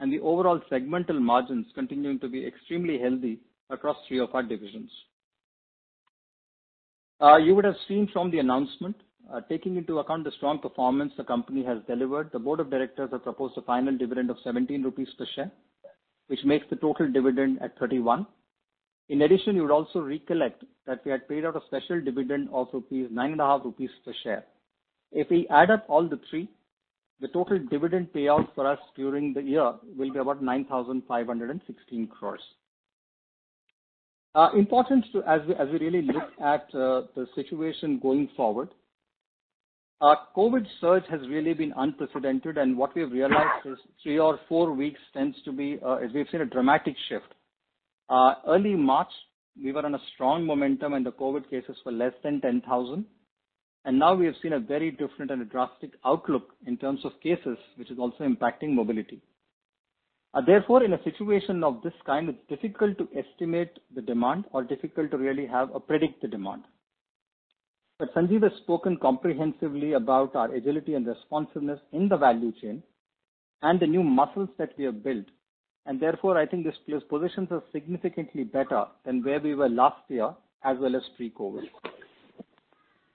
and the overall segmental margins continuing to be extremely healthy across three of our divisions. You would have seen from the announcement, taking into account the strong performance the company has delivered, the board of directors have proposed a final dividend of 17 rupees per share, which makes the total dividend at 31. In addition, you would also recollect that we had paid out a special dividend of 9.5 rupees per share. If we add up all the three, the total dividend payout for us during the year will be about 9,516 crores. Important to, as we really look at the situation going forward, COVID surge has really been unprecedented, and what we have realized is three or four weeks tends to be, as we've seen, a dramatic shift. Early March, we were on a strong momentum, and the COVID cases were less than 10,000, and now we have seen a very different and drastic outlook in terms of cases, which is also impacting mobility. Therefore, in a situation of this kind, it's difficult to estimate the demand or difficult to really have to predict the demand. But Sanjiv has spoken comprehensively about our agility and responsiveness in the value chain and the new muscles that we have built, and therefore, I think this positions us significantly better than where we were last year as well as pre-COVID.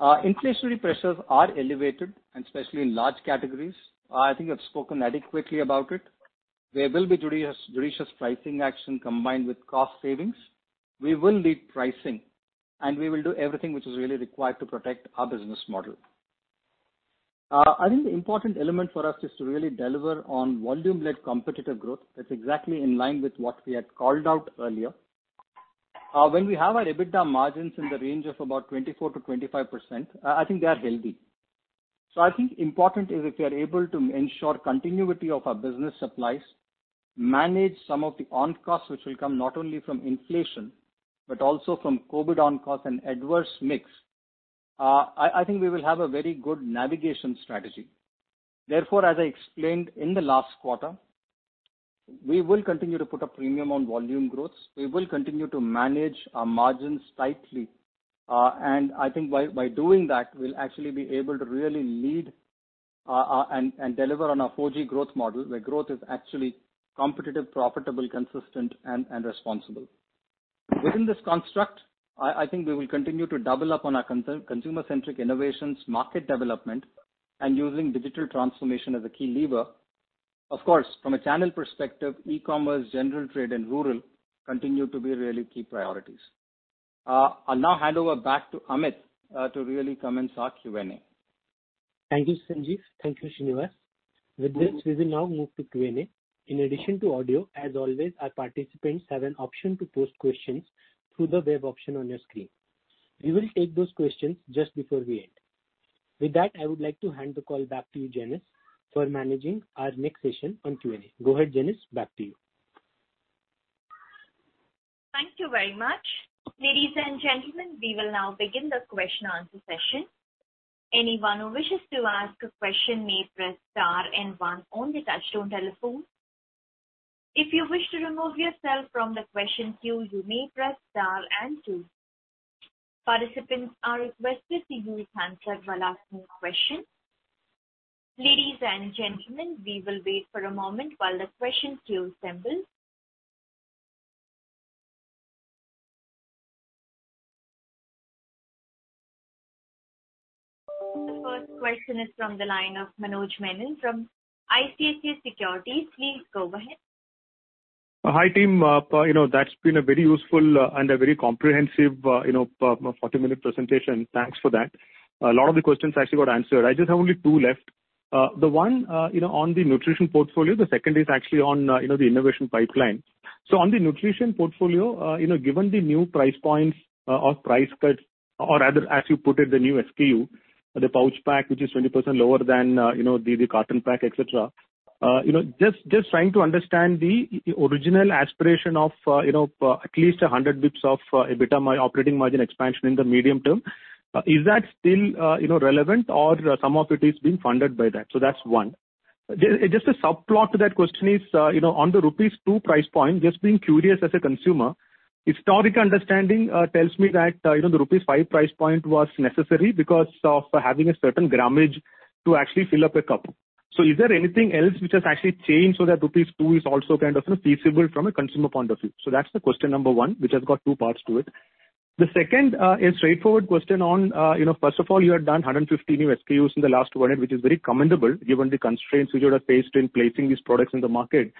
Inflationary pressures are elevated, and especially in large categories. I think you have spoken adequately about it. There will be judicious pricing action combined with cost savings. We will lead pricing, and we will do everything which is really required to protect our business model. I think the important element for us is to really deliver on volume-led competitive growth. That's exactly in line with what we had called out earlier. When we have our EBITDA margins in the range of about 24%-25%, I think they are healthy. So I think important is if we are able to ensure continuity of our business supplies, manage some of the on-costs which will come not only from inflation but also from COVID on-costs and adverse mix, I think we will have a very good navigation strategy. Therefore, as I explained in the last quarter, we will continue to put a premium on volume growth. We will continue to manage our margins tightly, and I think by doing that, we'll actually be able to really lead and deliver on our 4G Growth Model where growth is actually competitive, profitable, consistent, and responsible. Within this construct, I think we will continue to double up on our consumer-centric innovations, market development, and using digital transformation as a key lever. Of course, from a channel perspective, e-commerce, General Trade, and rural continue to be really key priorities. I'll now hand over back to Amit to really commence our Q&A. Thank you, Sanjiv. Thank you, Srinivas. With this, we will now move to Q&A. In addition to audio, as always, our participants have an option to post questions through the web option on your screen. We will take those questions just before we end. With that, I would like to hand the call back to you, Janice, for managing our next session on Q&A. Go ahead, Janice. Back to you. Thank you very much. Ladies and gentlemen, we will now begin the question-answer session. Anyone who wishes to ask a question may press star and one on the touch-tone telephone. If you wish to remove yourself from the question queue, you may press star and two. Participants are requested to use the handset while asking questions. Ladies and gentlemen, we will wait for a moment while the question queue assembles. The first question is from the line of Manoj Menon from ICICI Securities. Please go ahead. Hi team. That's been a very useful and a very comprehensive 40-minute presentation. Thanks for that. A lot of the questions actually got answered. I just have only two left. The one on the nutrition portfolio, the second is actually on the innovation pipeline. So on the nutrition portfolio, given the new price points or price cuts, or as you put it, the new SKU, the pouch pack, which is 20% lower than the carton pack, etc., just trying to understand the original aspiration of at least 100 basis points of EBITDA operating margin expansion in the medium term, is that still relevant or some of it is being funded by that? So that's one. Just a subplot to that question is on the rupees 2 price point, just being curious as a consumer, historical understanding tells me that the rupees 5 price point was necessary because of having a certain grammage to actually fill up a cup. So is there anything else which has actually changed so that rupees 2 is also kind of feasible from a consumer point of view? So that's the question number one, which has got two parts to it. The second is a straightforward question on, first of all, you have done 115 new SKUs in the last quarter, which is very commendable given the constraints which you have faced in placing these products in the market.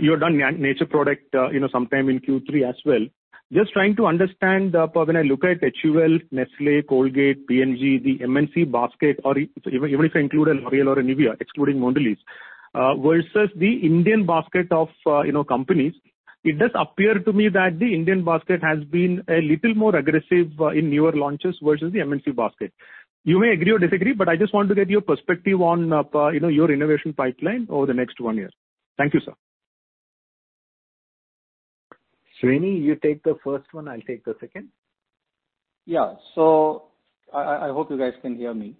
You have done Nature Protect sometime in Q3 as well. Just trying to understand when I look at HUL, Nestlé, Colgate, P&G, the MNC basket, or even if I include a L'Oréal or a Nivea, excluding Mondelez, versus the Indian basket of companies, it does appear to me that the Indian basket has been a little more aggressive in newer launches versus the MNC basket. You may agree or disagree, but I just want to get your perspective on your innovation pipeline over the next one year. Thank you, sir. Srini, you take the first one. I'll take the second. Yeah. So I hope you guys can hear me.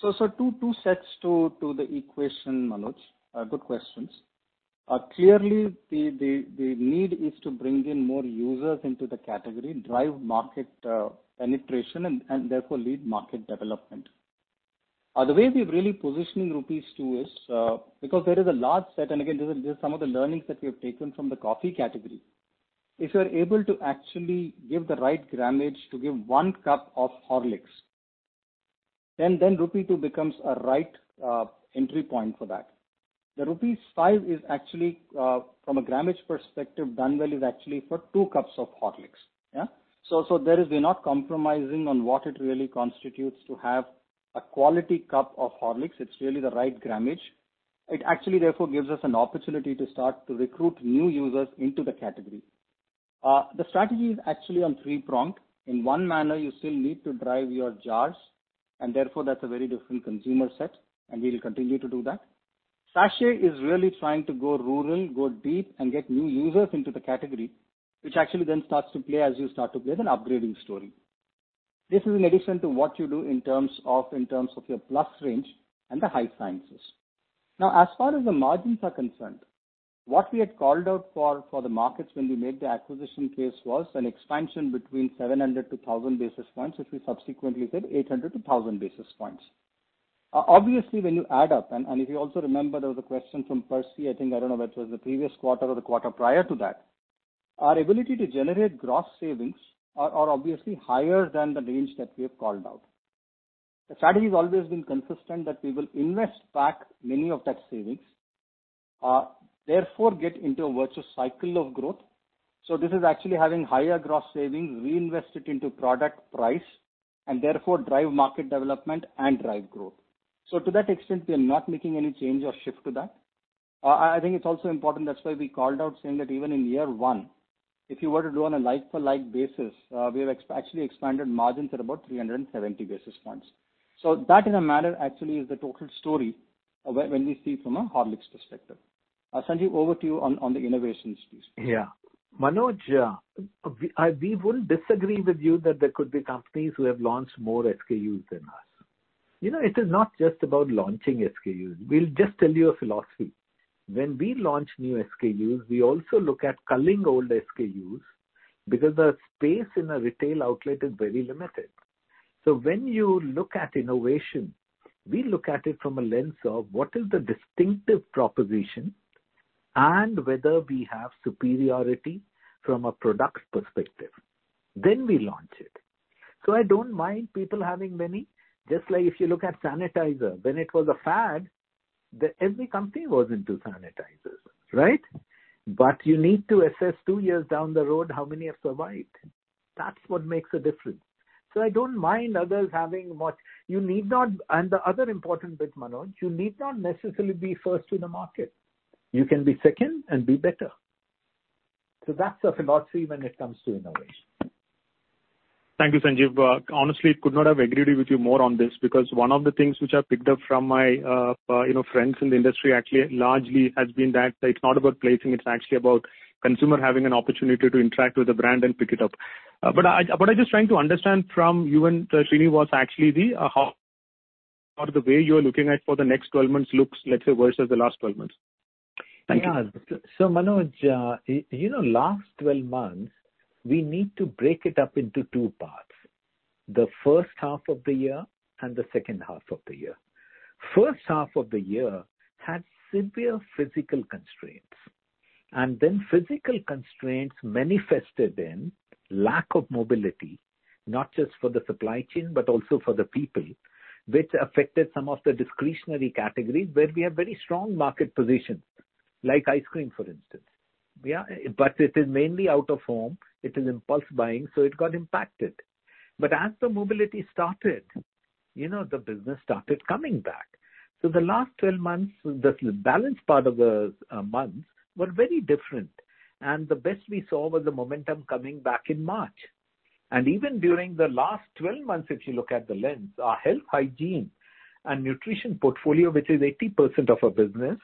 So two sets to the question, Manoj. Good questions. Clearly, the need is to bring in more users into the category, drive market penetration, and therefore lead market development. The way we're really positioning INR 2 is because there is a large set, and again, this is just some of the learnings that we have taken from the coffee category. If you're able to actually give the right grammage to give one cup of Horlicks, then rupee 2 becomes a right entry point for that. The Rs 5 is actually, from a grammage perspective, done well is actually for two cups of Horlicks. So we're not compromising on what it really constitutes to have a quality cup of Horlicks. It's really the right grammage. It actually, therefore, gives us an opportunity to start to recruit new users into the category. The strategy is actually on three-pronged. In one manner, you still need to drive your jars, and therefore, that's a very different consumer set, and we will continue to do that. GSK is really trying to go rural, go deep, and get new users into the category, which actually then starts to play as you start to play the upgrading story. This is in addition to what you do in terms of your Plus range and the high sciences. Now, as far as the margins are concerned, what we had called out for the markets when we made the acquisition case was an expansion between 700-1,000 basis points, which we subsequently said 800-1,000 basis points. Obviously, when you add up, and if you also remember, there was a question from Percy, I think, I don't know whether it was the previous quarter or the quarter prior to that, our ability to generate gross savings are obviously higher than the range that we have called out. The strategy has always been consistent that we will invest back many of that savings, therefore get into a virtuous cycle of growth. So this is actually having higher gross savings, reinvest it into product price, and therefore drive market development and drive growth. So to that extent, we are not making any change or shift to that. I think it's also important. That's why we called out saying that even in year one, if you were to do on a like-for-like basis, we have actually expanded margins at about 370 basis points. So that, in a manner, actually is the total story when we see from a Horlicks perspective. Sanjiv, over to you on the innovation piece. Yeah. Manoj, we wouldn't disagree with you that there could be companies who have launched more SKUs than us. It is not just about launching SKUs. We'll just tell you a philosophy. When we launch new SKUs, we also look at culling old SKUs because the space in a retail outlet is very limited. So when you look at innovation, we look at it from a lens of what is the distinctive proposition and whether we have superiority from a product perspective. Then we launch it. So I don't mind people having many, just like if you look at sanitizer. When it was a fad, every company was into sanitizers, right? But you need to assess two years down the road how many have survived. That's what makes a difference. So I don't mind others having much. And the other important bit, Manoj, you need not necessarily be first in the market. You can be second and be better. So that's the philosophy when it comes to innovation. Thank you, Sanjiv. Honestly, could not have agreed with you more on this because one of the things which I've picked up from my friends in the industry actually largely has been that it's not about placing. It's actually about consumer having an opportunity to interact with the brand and pick it up. But I'm just trying to understand from you and Srini was actually the how the way you are looking at for the next 12 months looks, let's say, versus the last 12 months. Thank you. Yeah. So Manoj, last 12 months, we need to break it up into two parts: the first half of the year and the second half of the year. First half of the year had severe physical constraints, and then physical constraints manifested in lack of mobility, not just for the supply chain but also for the people, which affected some of the discretionary categories where we have very strong market positions, like ice cream, for instance, but it is mainly out of home, it is impulse buying, so it got impacted, but as the mobility started, the business started coming back, so the last 12 months, the balanced part of the months were very different, and the best we saw was the momentum coming back in March. Even during the last 12 months, if you look at the lens, our health, hygiene, and nutrition portfolio, which is 80% of our business,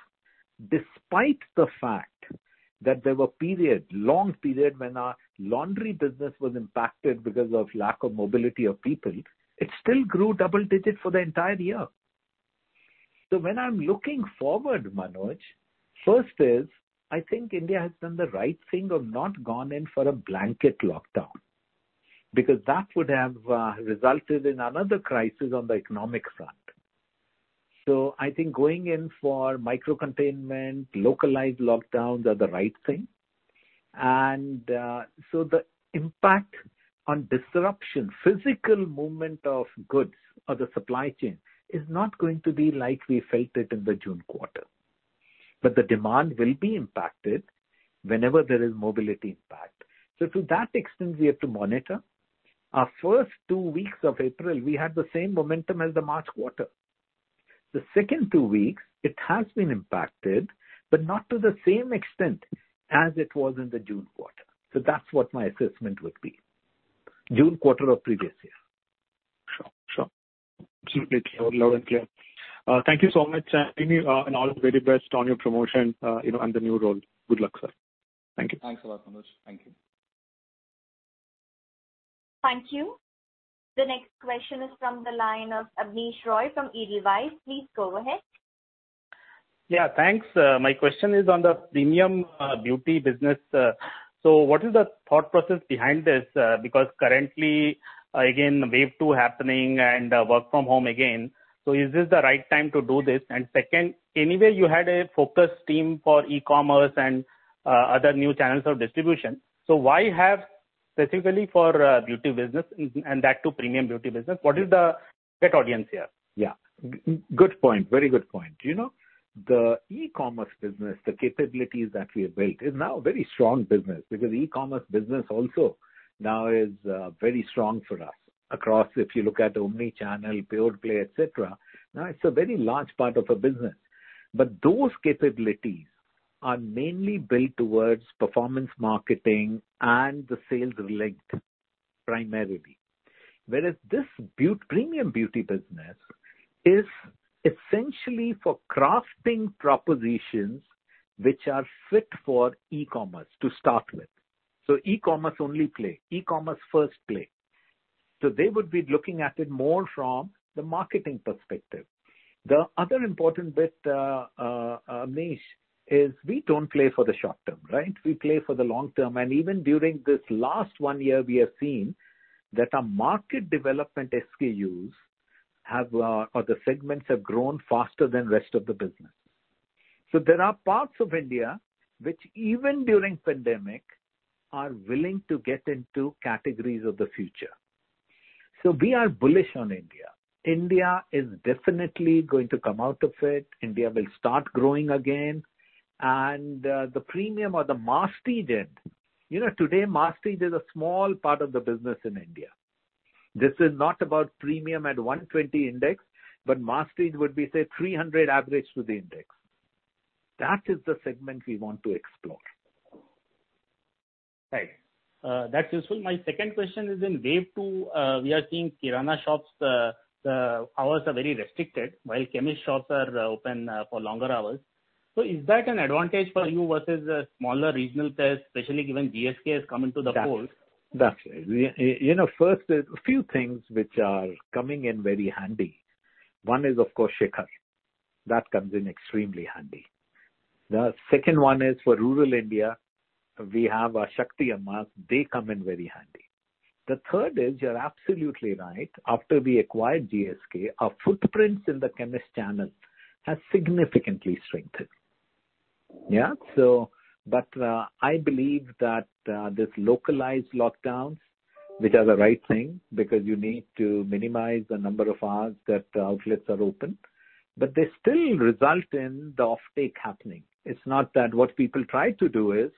despite the fact that there were periods, long periods, when our laundry business was impacted because of lack of mobility of people, it still grew double-digit for the entire year. So when I'm looking forward, Manoj, first is I think India has done the right thing of not gone in for a blanket lockdown because that would have resulted in another crisis on the economic front. So I think going in for microcontainment, localized lockdowns are the right thing. And so the impact on disruption, physical movement of goods or the supply chain is not going to be like we felt it in the June quarter. But the demand will be impacted whenever there is mobility impact. So to that extent, we have to monitor. Our first two weeks of April, we had the same momentum as the March quarter. The second two weeks, it has been impacted, but not to the same extent as it was in the June quarter. So that's what my assessment would be, June quarter of previous year. Sure. Sure. Absolutely clear. Loud and clear. Thank you so much and all the very best on your promotion and the new role. Good luck, sir. Thank you. Thanks a lot, Manoj. Thank you. Thank you. The next question is from the line of Abneesh Roy from Edelweiss. Please go ahead. Yeah. Thanks. My question is on the premium beauty business. So what is the thought process behind this? Because currently, again, wave two happening and work from home again. So is this the right time to do this? And second, anyway, you had a focus team for e-commerce and other new channels of distribution. So why have, specifically for beauty business and that too, premium beauty business, what is the market audience here? Yeah. Good point. Very good point. The e-commerce business, the capabilities that we have built is now a very strong business because the e-commerce business also now is very strong for us across, if you look at Omnichannel, Pure Play, etc. Now, it's a very large part of our business. But those capabilities are mainly built towards performance marketing and the sales-related primarily. Whereas this premium beauty business is essentially for crafting propositions which are fit for e-commerce to start with. So e-commerce only play, e-commerce first play. So they would be looking at it more from the marketing perspective. The other important bit, Abneesh, is we don't play for the short term, right? We play for the long term. And even during this last one year, we have seen that our market development SKUs or the segments have grown faster than the rest of the business. So there are parts of India which, even during pandemic, are willing to get into categories of the future. So we are bullish on India. India is definitely going to come out of it. India will start growing again. And the premium or the masstige end, today, masstige is a small part of the business in India. This is not about premium at 120 index, but masstige would be, say, 300 average to the index. That is the segment we want to explore. Right. That's useful. My second question is in Wave 2, we are seeing Kirana shops hours are very restricted, while Chemist shops are open for longer hours. So is that an advantage for you versus smaller regional players, especially given GSK has come into the fold? That's it. First, a few things which are coming in very handy. One is, of course, Shikhar. That comes in extremely handy. The second one is for rural India. We have Shakti Ammas. They come in very handy. The third is you're absolutely right. After we acquired GSK, our footprints in the Chemist channel have significantly strengthened. Yeah. But I believe that these localized lockdowns, which are the right thing because you need to minimize the number of hours that outlets are open, but they still result in the offtake happening. It's not that what people try to do is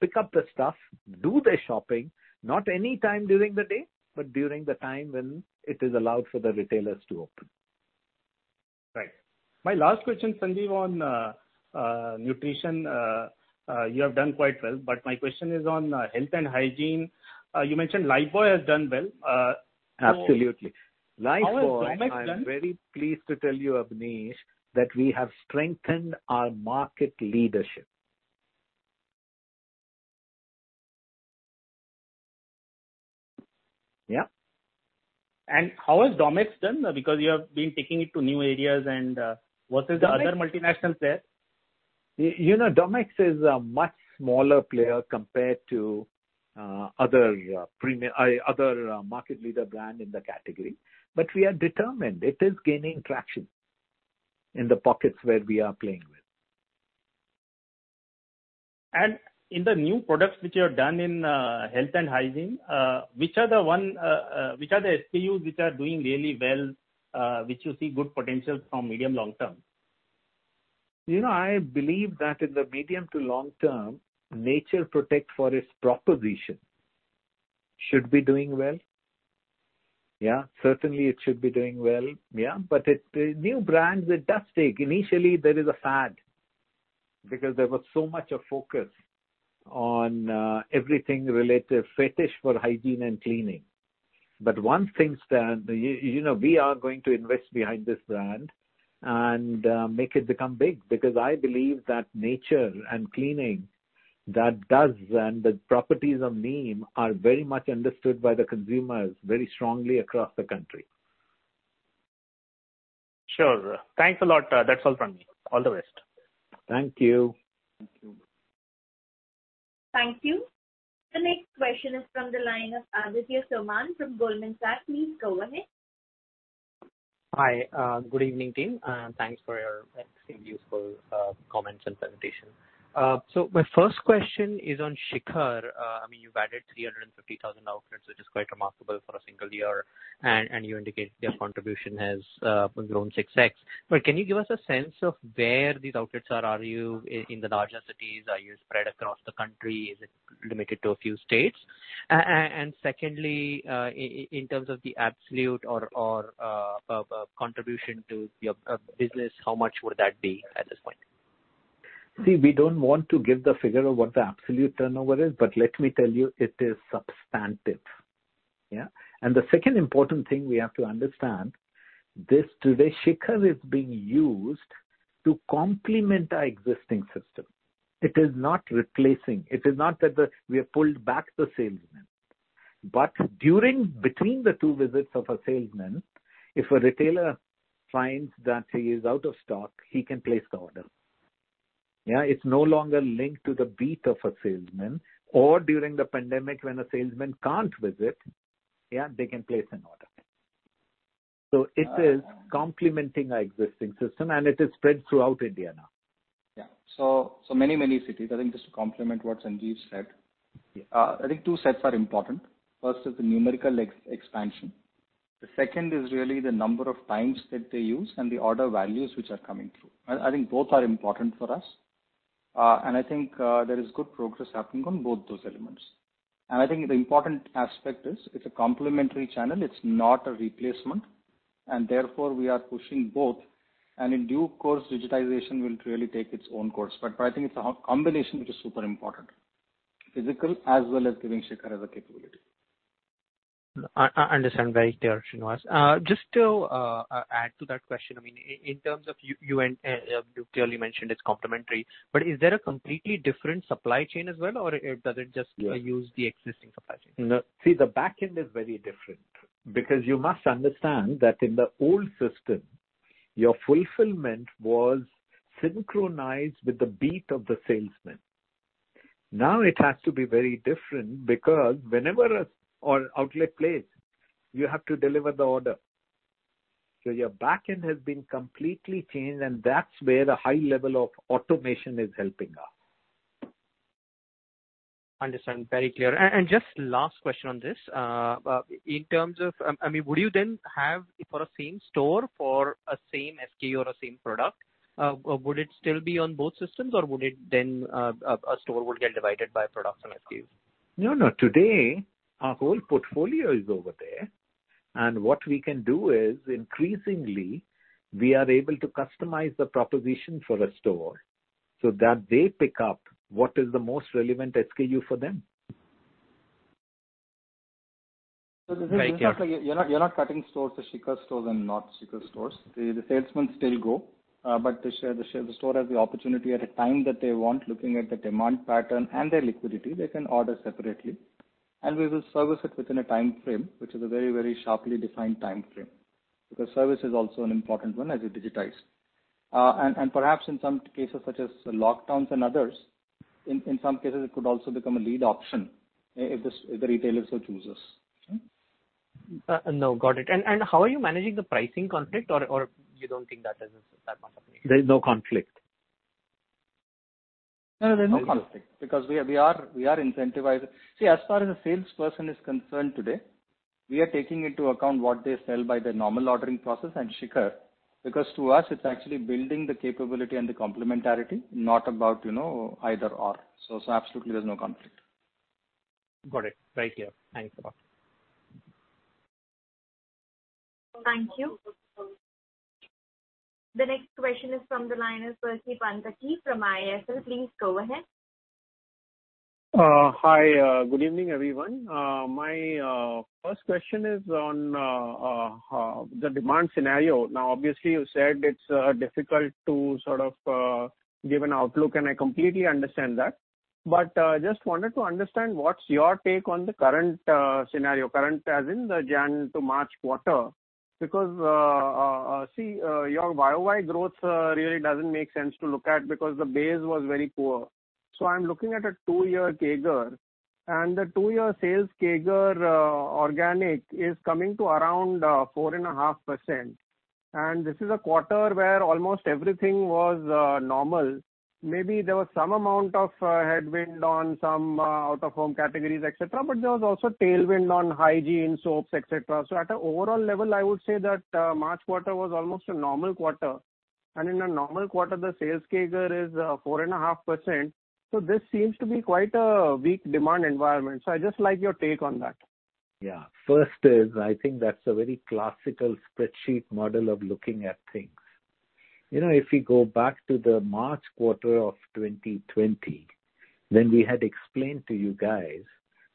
pick up the stuff, do their shopping, not anytime during the day, but during the time when it is allowed for the retailers to open. Right. My last question, Sanjiv, on nutrition. You have done quite well. But my question is on health and hygiene. You mentioned Lifebuoy has done well. Absolutely. Lifebuoy has done very pleased to tell you, Abneesh, that we have strengthened our market leadership. Yeah. And how has Domex done? Because you have been taking it to new areas and versus the other multinationals there. Domex is a much smaller player compared to other market leader brands in the category. But we are determined. It is gaining traction in the pockets where we are playing with. And in the new products which you have done in health and hygiene, which are the one which are the SKUs which are doing really well, which you see good potential from medium long term? I believe that in the medium to long term, Nature Protect Forest proposition should be doing well. Yeah. Certainly, it should be doing well. Yeah. But the new brands, it does take initially, there is a fad because there was so much focus on everything related to emphasis for hygiene and cleaning. But one thing is that we are going to invest behind this brand and make it become big because I believe that natural cleaning that it does and the properties of Neem are very much understood by the consumers very strongly across the country. Sure. Thanks a lot. That's all from me. All the best. Thank you. Thank you. Thank you. The next question is from the line of Aditya Soman from Goldman Sachs. Please go ahead. Hi. Good evening, team. And thanks for your excellent, useful comments and presentation. So my first question is on Shikhar. I mean, you've added 350,000 outlets, which is quite remarkable for a single year. You indicate their contribution has grown 6x. But can you give us a sense of where these outlets are? Are you in the larger cities? Are you spread across the country? Is it limited to a few states? And secondly, in terms of the absolute or contribution to your business, how much would that be at this point? See, we don't want to give the figure of what the absolute turnover is, but let me tell you, it is substantive. Yeah. And the second important thing we have to understand is today, Shikhar is being used to complement our existing system. It is not replacing. It is not that we have pulled back the salesmen. But between the two visits of a salesman, if a retailer finds that he is out of stock, he can place the order. Yeah. It's no longer linked to the beat of a salesman, or during the pandemic, when a salesman can't visit, yeah, they can place an order, so it is complementing our existing system, and it is spread throughout India now. Yeah, so many, many cities. I think just to complement what Sanjiv said, I think two sets are important. First is the numerical expansion. The second is really the number of times that they use and the order values which are coming through. I think both are important for us, and I think the important aspect is it's a complementary channel. It's not a replacement, and therefore, we are pushing both, and in due course, digitization will really take its own course. But I think it's a combination which is super important, physical as well as giving Shikhar as a capability. I understand very clearly. Just to add to that question, I mean, in terms of you clearly mentioned it's complementary, but is there a completely different supply chain as well, or does it just use the existing supply chain? See, the backend is very different because you must understand that in the old system, your fulfillment was synchronized with the beat of the salesman. Now, it has to be very different because whenever an outlet places, you have to deliver the order. So your backend has been completely changed, and that's where the high level of automation is helping us. Understood. Very clear. And just last question on this. In terms of, I mean, would you then have for a same store for a same SKU or a same product, would it still be on both systems, or would it then a store would get divided by products and SKUs? No, no. Today, our whole portfolio is over there. And what we can do is increasingly, we are able to customize the proposition for a store so that they pick up what is the most relevant SKU for them. So this is almost like you're not cutting stores to Shikhar stores and not Shikhar stores. The salesmen still go, but the store has the opportunity at a time that they want, looking at the demand pattern and their liquidity. They can order separately. And we will service it within a time frame, which is a very, very sharply defined time frame because service is also an important one as you digitize. And perhaps in some cases, such as lockdowns and others, in some cases, it could also become a lead option if the retailer so chooses. No, got it. And how are you managing the pricing conflict, or you don't think that there's that much of an issue? There is no conflict. No, there's no conflict because we are incentivizing. See, as far as a salesperson is concerned today, we are taking into account what they sell by their normal ordering process and Shikhar because to us, it's actually building the capability and the complementarity, not about either/or. So absolutely, there's no conflict. Got it. Very clear. Thanks a lot. Thank you. The next question is from the line of Percy Panthaki from IIFL. Please go ahead. Hi. Good evening, everyone. My first question is on the demand scenario. Now, obviously, you said it's difficult to sort of give an outlook, and I completely understand that. But I just wanted to understand what's your take on the current scenario, current as in the January to March quarter because see, your YoY growth really doesn't make sense to look at because the base was very poor. So I'm looking at a two-year CAGR, and the two-year sales CAGR organic is coming to around 4.5%. And this is a quarter where almost everything was normal. Maybe there was some amount of headwind on some out-of-home categories, etc., but there was also tailwind on hygiene, soaps, etc. So at an overall level, I would say that March quarter was almost a normal quarter. And in a normal quarter, the sales CAGR is 4.5%. So this seems to be quite a weak demand environment. So I just like your take on that. Yeah. First, I think that's a very classical spreadsheet model of looking at things. If you go back to the March quarter of 2020, when we had explained to you guys,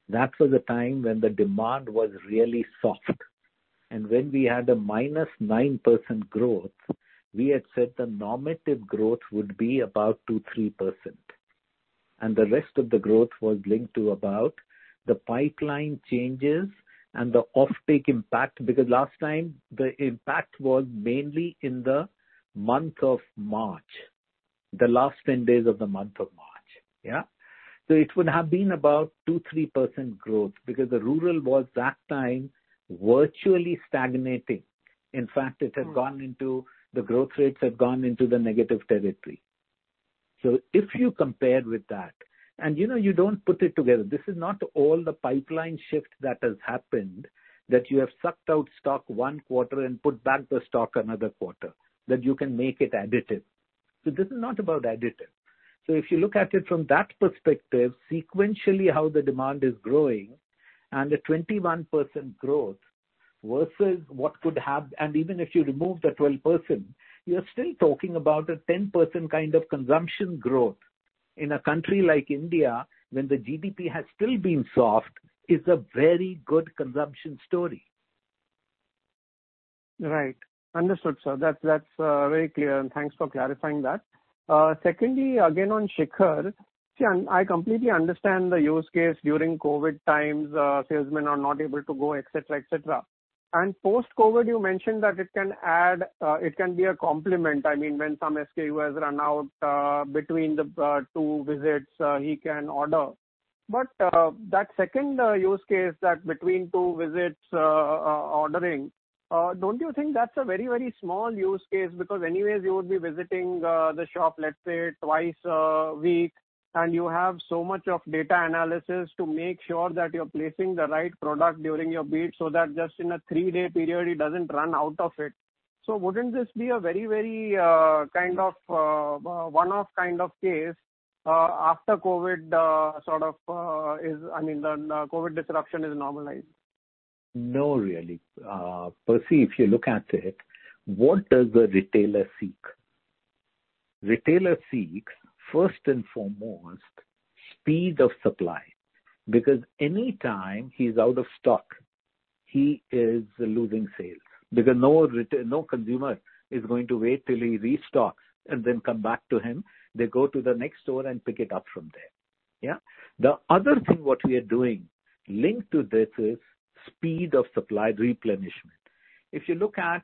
that was a time when the demand was really soft. And when we had a -9% growth, we had said the normative growth would be about 2%, 3%. And the rest of the growth was linked to about the pipeline changes and the offtake impact because last time, the impact was mainly in the month of March, the last 10 days of the month of March. Yeah. So it would have been about 2%, 3% growth because the rural was that time virtually stagnating. In fact, it had gone into the growth rates had gone into the negative territory. So if you compare with that, and you don't put it together, this is not all the pipeline shift that has happened that you have sucked out stock one quarter and put back the stock another quarter that you can make it additive. So this is not about additive. So if you look at it from that perspective, sequentially how the demand is growing and the 21% growth versus what could have, and even if you remove the 12%, you're still talking about a 10% kind of consumption growth in a country like India when the GDP has still been soft is a very good consumption story. Right. Understood, sir. That's very clear, and thanks for clarifying that. Secondly, again on Shikhar, see, I completely understand the use case during COVID times, salesmen are not able to go, etc., etc. And post-COVID, you mentioned that it can add, it can be a complement. I mean, when some SKU has run out between the two visits, he can order. But that second use case that between two visits ordering, don't you think that's a very, very small use case because anyways, you would be visiting the shop, let's say, twice a week, and you have so much of data analysis to make sure that you're placing the right product during your beat so that just in a three-day period, it doesn't run out of it. So wouldn't this be a very, very kind of one-off kind of case after COVID sort of is, I mean, the COVID disruption is normalized? No, really. Precisely, if you look at it, what does the retailer seek? Retailer seeks, first and foremost, speed of supply because anytime he's out of stock, he is losing sales because no consumer is going to wait till he restocks and then come back to him. They go to the next store and pick it up from there. Yeah. The other thing what we are doing linked to this is speed of supply replenishment. If you look at,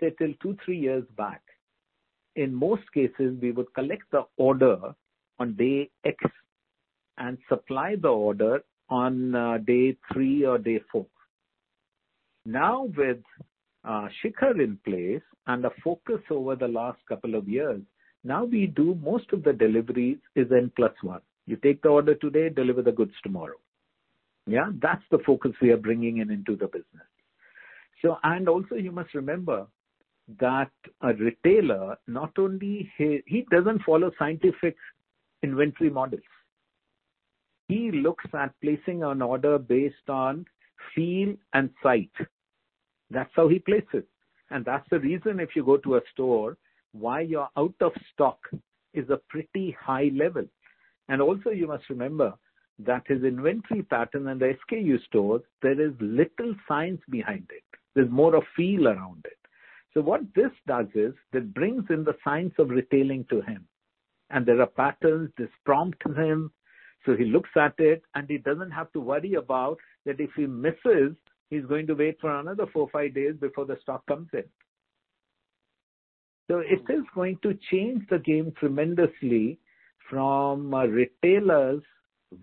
say, till two, three years back, in most cases, we would collect the order on day X and supply the order on day three or day four. Now, with Shikhar in place and the focus over the last couple of years, now we do most of the deliveries is N plus one. You take the order today, deliver the goods tomorrow. Yeah. That's the focus we are bringing into the business. And also, you must remember that a retailer not only doesn't follow scientific inventory models. He looks at placing an order based on feel and sight. That's how he places it. And that's the reason if you go to a store, why your out-of-stock is a pretty high level. And also, you must remember that his inventory pattern and the SKU stores, there is little science behind it. There's more of feel around it. So what this does is that brings in the science of retailing to him. And there are patterns that prompt him. So he looks at it, and he doesn't have to worry about that if he misses. He's going to wait for another four, five days before the stock comes in. So it is going to change the game tremendously from a retailer's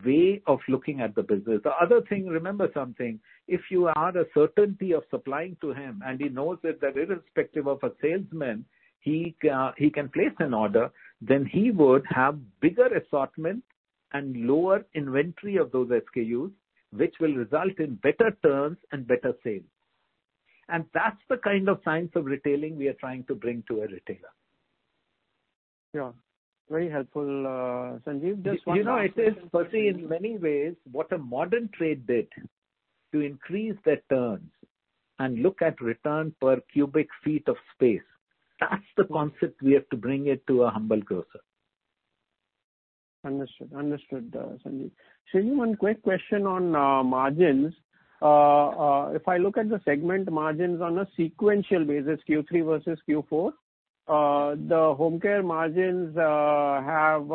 way of looking at the business. The other thing, remember something, if you had a certainty of supplying to him, and he knows that irrespective of a salesman, he can place an order, then he would have bigger assortment and lower inventory of those SKUs, which will result in better terms and better sales. And that's the kind of science of retailing we are trying to bring to a retailer. Yeah. Very helpful. Sanjiv, just one last thing. It is, per se, in many ways, what a modern trade did to increase their terms and look at return per cubic feet of space. That's the concept we have to bring it to a humble grocer. Understood. Understood, Sanjiv. Shirish, one quick question on margins. If I look at the segment margins on a sequential basis, Q3 versus Q4, the home care margins have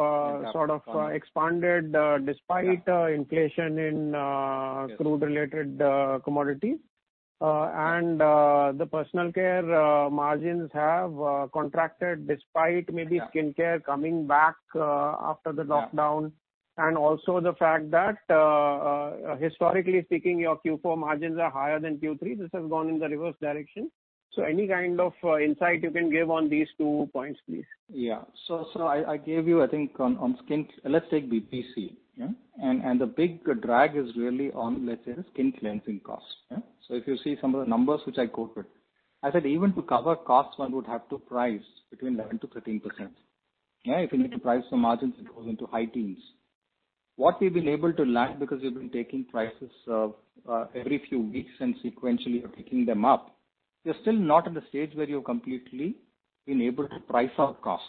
sort of expanded despite inflation in crude-related commodities. The personal care margins have contracted despite maybe skincare coming back after the lockdown. Also the fact that, historically speaking, your Q4 margins are higher than Q3. This has gone in the reverse direction. So any kind of insight you can give on these two points, please. Yeah. So I gave you, I think, on skin. Let's take BPC. The big drag is really on, let's say, the skin cleansing costs. So if you see some of the numbers which I quoted, I said even to cover costs, one would have to price between 11%-13%. Yeah. If you need to price the margins, it goes into high teens. What we've been able to learn because we've been taking prices every few weeks and sequentially picking them up, you're still not at a stage where you've completely been able to price out costs.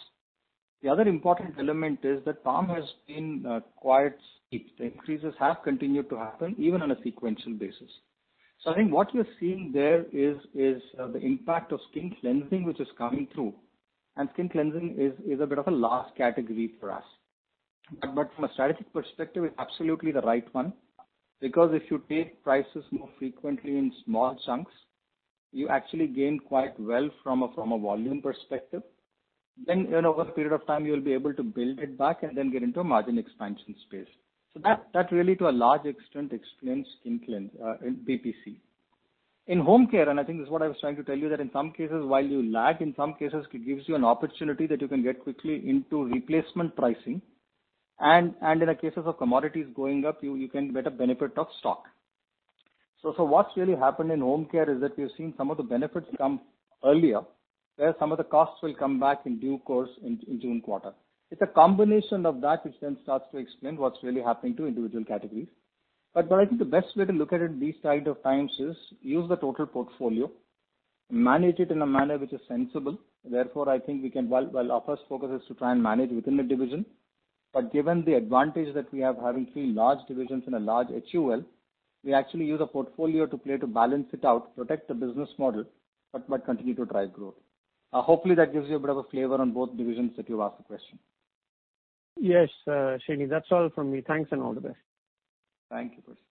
The other important element is that Palm has been quite steep. The increases have continued to happen even on a sequential basis. So I think what you're seeing there is the impact of skin cleansing which is coming through. And skin cleansing is a bit of a last category for us. But from a strategic perspective, it's absolutely the right one because if you take prices more frequently in small chunks, you actually gain quite well from a volume perspective. Then over a period of time, you'll be able to build it back and then get into a margin expansion space. So that really, to a large extent, explains skin cleansing in BPC. In Home Care, and I think this is what I was trying to tell you, that in some cases, while you lag, in some cases, it gives you an opportunity that you can get quickly into replacement pricing. And in the cases of commodities going up, you can get a benefit of stock. So what's really happened in Home Care is that we've seen some of the benefits come earlier, where some of the costs will come back in due course in June quarter. It's a combination of that which then starts to explain what's really happening to individual categories. But I think the best way to look at it these kinds of times is use the total portfolio, manage it in a manner which is sensible. Therefore, I think we can, well, our first focus is to try and manage within the division. But given the advantage that we have having three large divisions and a large HUL, we actually use a portfolio to play to balance it out, protect the business model, but continue to drive growth. Hopefully, that gives you a bit of a flavor on both divisions that you've asked the question. Yes, Srini. That's all from me. Thanks and all the best. Thank you, Percy.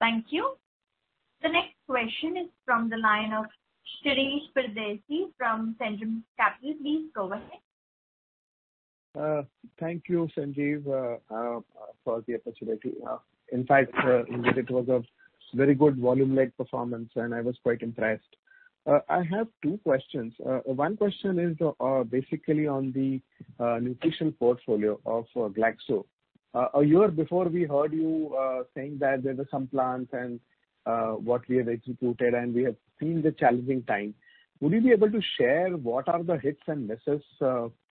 Thank you. The next question is from the line of Shirish Pardeshi from Centrum Capital. Please go ahead. Thank you, Sanjiv, for the opportunity. In fact, it was a very good volume-led performance, and I was quite impressed. I have two questions. One question is basically on the nutritional portfolio of Glaxo. A year before we heard you saying that there were some plants and what we have executed, and we have seen the challenging time, would you be able to share what are the hits and misses,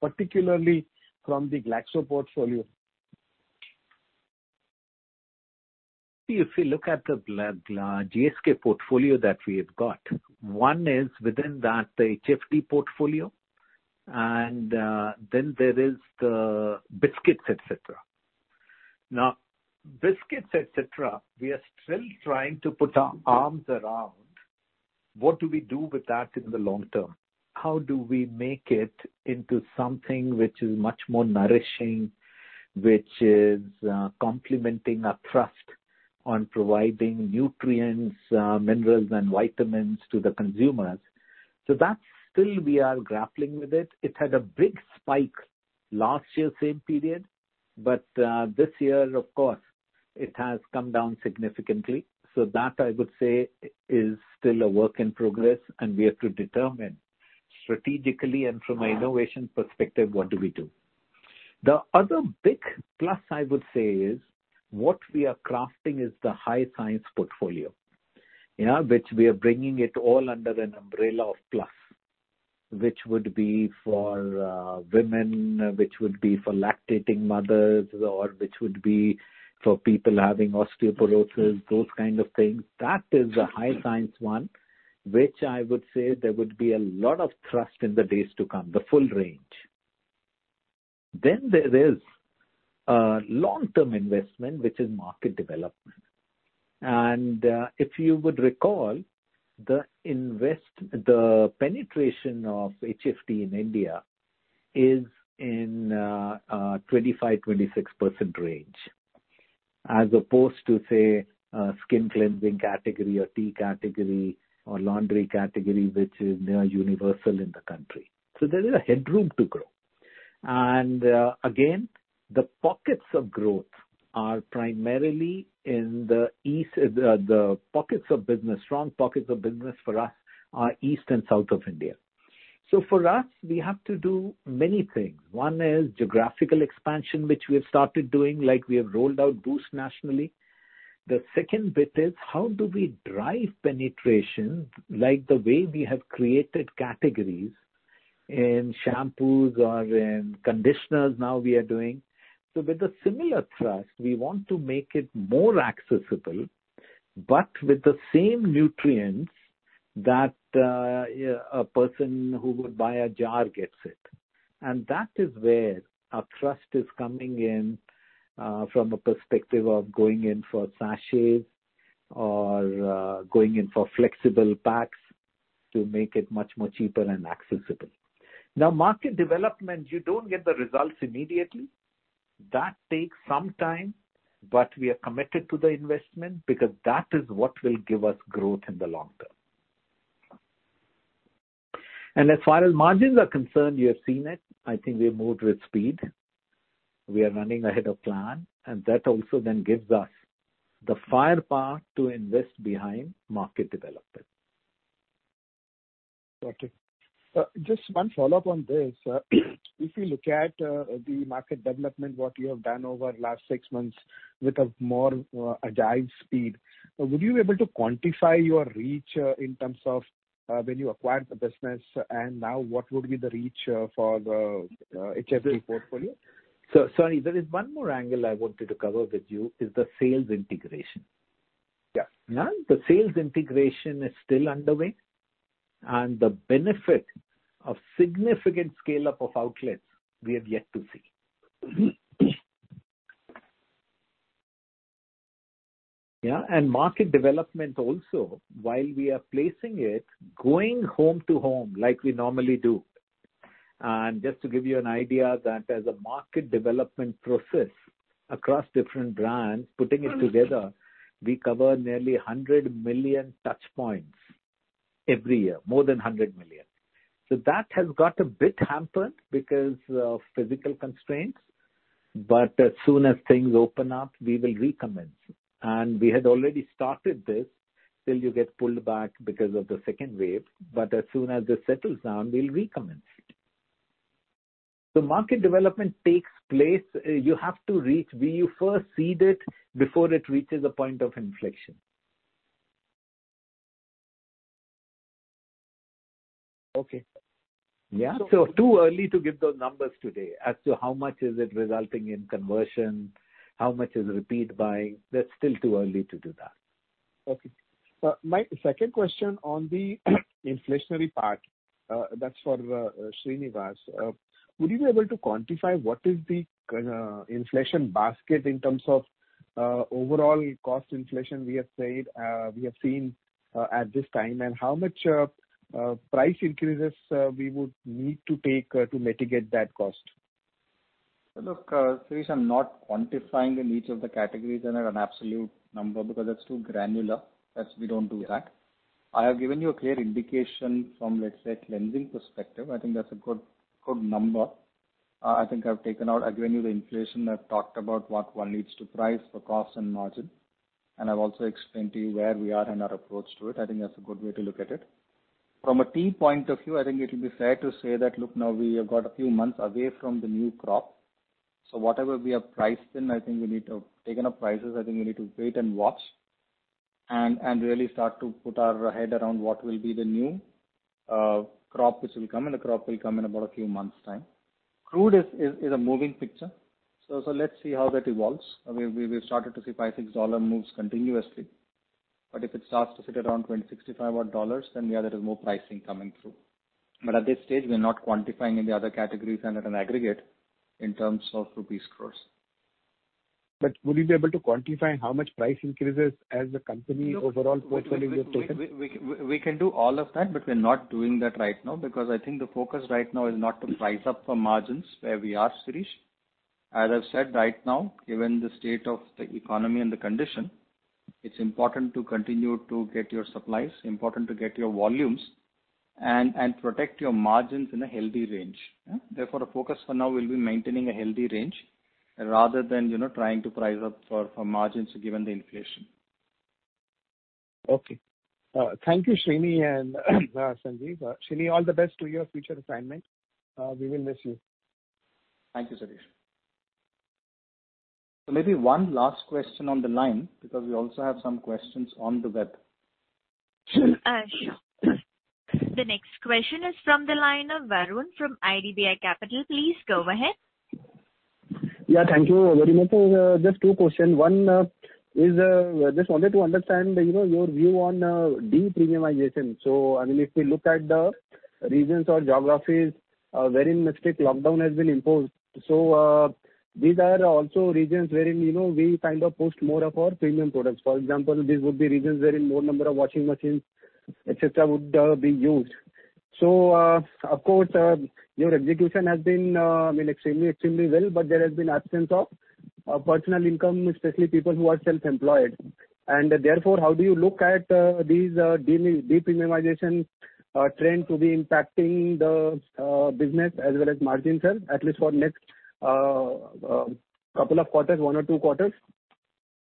particularly from the Glaxo portfolio? If you look at the GSK portfolio that we have got, one is within that, the HFD portfolio, and then there is the biscuits, etc. Now, biscuits, etc., we are still trying to put our arms around. What do we do with that in the long term? How do we make it into something which is much more nourishing, which is complementing a trust on providing nutrients, minerals, and vitamins to the consumers? So that's still we are grappling with it. It had a big spike last year, same period, but this year, of course, it has come down significantly. So that, I would say, is still a work in progress, and we have to determine strategically and from an innovation perspective, what do we do? The other big plus, I would say, is what we are crafting is the high science portfolio, which we are bringing it all under an umbrella of plus, which would be for women, which would be for lactating mothers, or which would be for people having osteoporosis, those kinds of things. That is the high science one, which I would say there would be a lot of trust in the days to come, the full range. Then there is a long-term investment, which is market development. And if you would recall, the penetration of HFD in India is in 25%-26% range, as opposed to, say, a skin cleansing category or tea category or laundry category, which is near universal in the country. So there is a headroom to grow. And again, the pockets of growth are primarily in the east. The pockets of business, strong pockets of business for us are east and south of India. So for us, we have to do many things. One is geographical expansion, which we have started doing, like we have rolled out Boost nationally. The second bit is how do we drive penetration like the way we have created categories in shampoos or in conditioners now we are doing. So with a similar thrust, we want to make it more accessible, but with the same nutrients that a person who would buy a jar gets it. And that is where our thrust is coming in from a perspective of going in for sachets or going in for flexible packs to make it much, much cheaper and accessible. Now, market development, you don't get the results immediately. That takes some time, but we are committed to the investment because that is what will give us growth in the long term. And as far as margins are concerned, you have seen it. I think we have moved with speed. We are running ahead of plan, and that also then gives us the firepower to invest behind market development. Got it. Just one follow-up on this. If you look at the market development, what you have done over the last six months with a more agile speed, would you be able to quantify your reach in terms of when you acquired the business and now what would be the reach for the HFD portfolio? So sorry, there is one more angle I wanted to cover with you is the sales integration. Yeah. The sales integration is still underway, and the benefit of significant scale-up of outlets, we have yet to see. Yeah. And market development also, while we are placing it, going home to home like we normally do. And just to give you an idea, that as a market development process across different brands, putting it together, we cover nearly 100 million touchpoints every year, more than 100 million. So that has got a bit hampered because of physical constraints. But as soon as things open up, we will recommence. And we had already started this. Still, you get pulled back because of the second wave. But as soon as this settles down, we'll recommence. The market development takes place. You have to reach where you first seed it before it reaches a point of inflection. Okay. Yeah. It's too early to give those numbers today as to how much is it resulting in conversion, how much is repeat buying. That's still too early to do that. Okay. My second question on the inflationary part, that's for Srinivas. Would you be able to quantify what is the inflation basket in terms of overall cost inflation we have seen at this time, and how much price increases we would need to take to mitigate that cost? Look, Shirish, I'm not quantifying in each of the categories in an absolute number because it's too granular. We don't do that. I have given you a clear indication from, let's say, a cleansing perspective. I think that's a good number. I think I've taken out, I've given you the inflation. I've talked about what one needs to price for cost and margin. I've also explained to you where we are and our approach to it. I think that's a good way to look at it. From a tea point of view, I think it would be fair to say that, look, now we have got a few months away from the new crop. So whatever we have priced in, I think we need to take enough prices. I think we need to wait and watch and really start to put our head around what will be the new crop which will come, and the crop will come in about a few months' time. Crude is a moving picture. So let's see how that evolves. We've started to see $5, $6 moves continuously. But if it starts to sit around $65, then yeah, there is more pricing coming through. But at this stage, we're not quantifying in the other categories and at an aggregate in terms of rupees gross. But would you be able to quantify how much price increases as the company overall portfolio? We can do all of that, but we're not doing that right now because I think the focus right now is not to price up for margins where we are, Shirish. As I've said, right now, given the state of the economy and the condition, it's important to continue to get your supplies, important to get your volumes, and protect your margins in a healthy range. Therefore, the focus for now will be maintaining a healthy range rather than trying to price up for margins given the inflation. Okay. Thank you, Srini and Sanjiv. Srini, all the best to your future assignment. We will miss you. Thank you, Shirish. So maybe one last question on the line because we also have some questions on the web. Sure. The next question is from the line of Varun from IDBI Capital. Please go ahead. Yeah. Thank you very much. Just two questions. One is just wanted to understand your view on deep premiumization. So I mean, if we look at the regions or geographies wherein strict lockdown has been imposed, so these are also regions wherein we kind of pushed more of our premium products. For example, these would be regions wherein more number of washing machines, etc., would be used. So of course, your execution has been extremely, extremely well, but there has been absence of personal income, especially people who are self-employed. And therefore, how do you look at these deep premiumization trends to be impacting the business as well as margins, at least for the next couple of quarters, one or two quarters?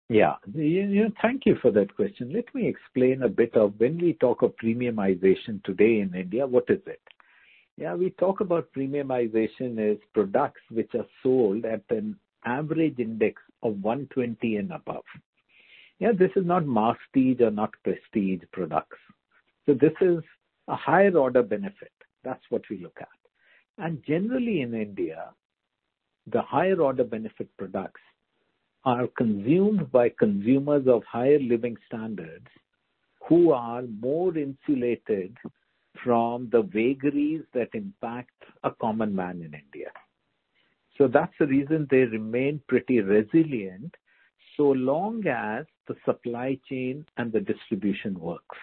Yeah. Thank you for that question. Let me explain a bit about when we talk of premiumization today in India, what is it? Yeah. We talk about premiumization as products which are sold at an average index of 120 and above. Yeah. This is not masstige or not prestige products. So this is a higher-order benefit. That's what we look at. And generally in India, the higher-order benefit products are consumed by consumers of higher living standards who are more insulated from the vagaries that impact a common man in India. So that's the reason they remain pretty resilient so long as the supply chain and the distribution works.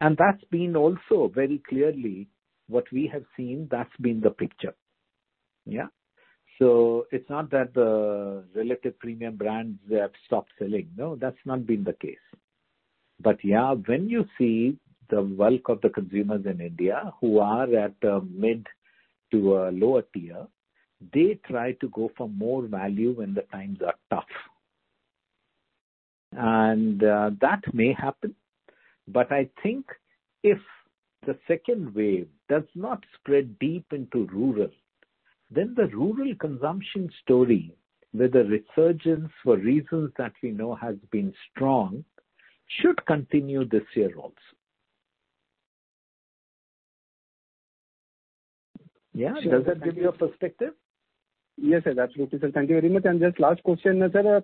And that's been also very clearly what we have seen. That's been the picture. Yeah. So it's not that the relative premium brands have stopped selling. No, that's not been the case. But yeah, when you see the bulk of the consumers in India who are at a mid to a lower tier, they try to go for more value when the times are tough. And that may happen. But I think if the second wave does not spread deep into rural, then the rural consumption story, with the resurgence for reasons that we know has been strong, should continue this year also. Yeah. Does that give you a perspective? Yes, sir. Absolutely, sir. Thank you very much. And just last question, sir.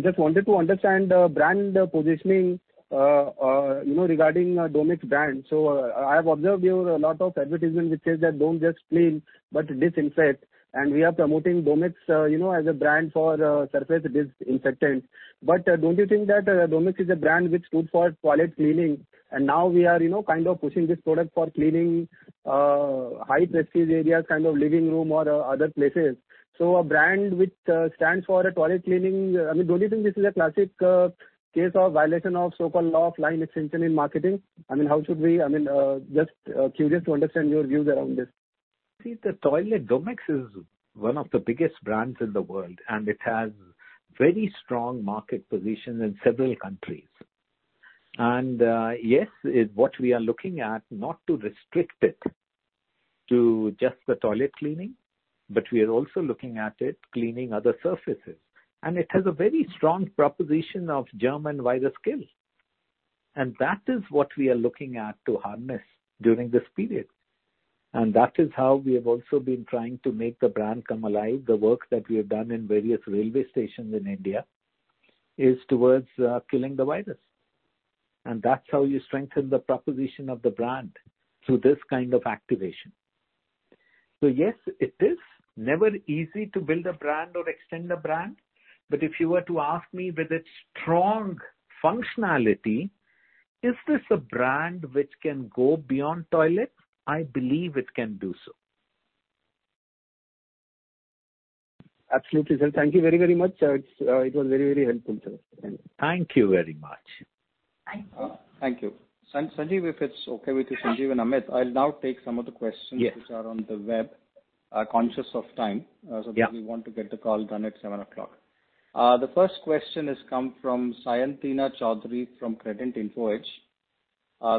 Just wanted to understand brand positioning regarding Domex brand. So I have observed a lot of advertisement which says that don't just clean, but disinfect. We are promoting Domex as a brand for surface disinfectant. But don't you think that Domex is a brand which stood for toilet cleaning? And now we are kind of pushing this product for cleaning high-prestige areas, kind of living room or other places. So a brand which stands for toilet cleaning, I mean, don't you think this is a classic case of violation of so-called law of line extension in marketing? I mean, how should we? I mean, just curious to understand your views around this. See, the toilet, Domex is one of the biggest brands in the world, and it has very strong market positions in several countries. And yes, what we are looking at, not to restrict it to just the toilet cleaning, but we are also looking at it cleaning other surfaces. And it has a very strong proposition of germ and virus kill. And that is what we are looking at to harness during this period. And that is how we have also been trying to make the brand come alive. The work that we have done in various railway stations in India is towards killing the virus. And that's how you strengthen the proposition of the brand through this kind of activation. So yes, it is never easy to build a brand or extend a brand. But if you were to ask me with its strong functionality, is this a brand which can go beyond toilet? I believe it can do so. Absolutely, sir. Thank you very, very much. It was very, very helpful, sir. Thank you very much. Thank you. Thank you. Sanjiv, if it's okay with you, Sanjiv and Amit, I'll now take some of the questions which are on the web. Conscious of time, so that we want to get the call done at 7 o'clock. The first question has come from Sayantina Chowdhury from Kredent InfoEdge.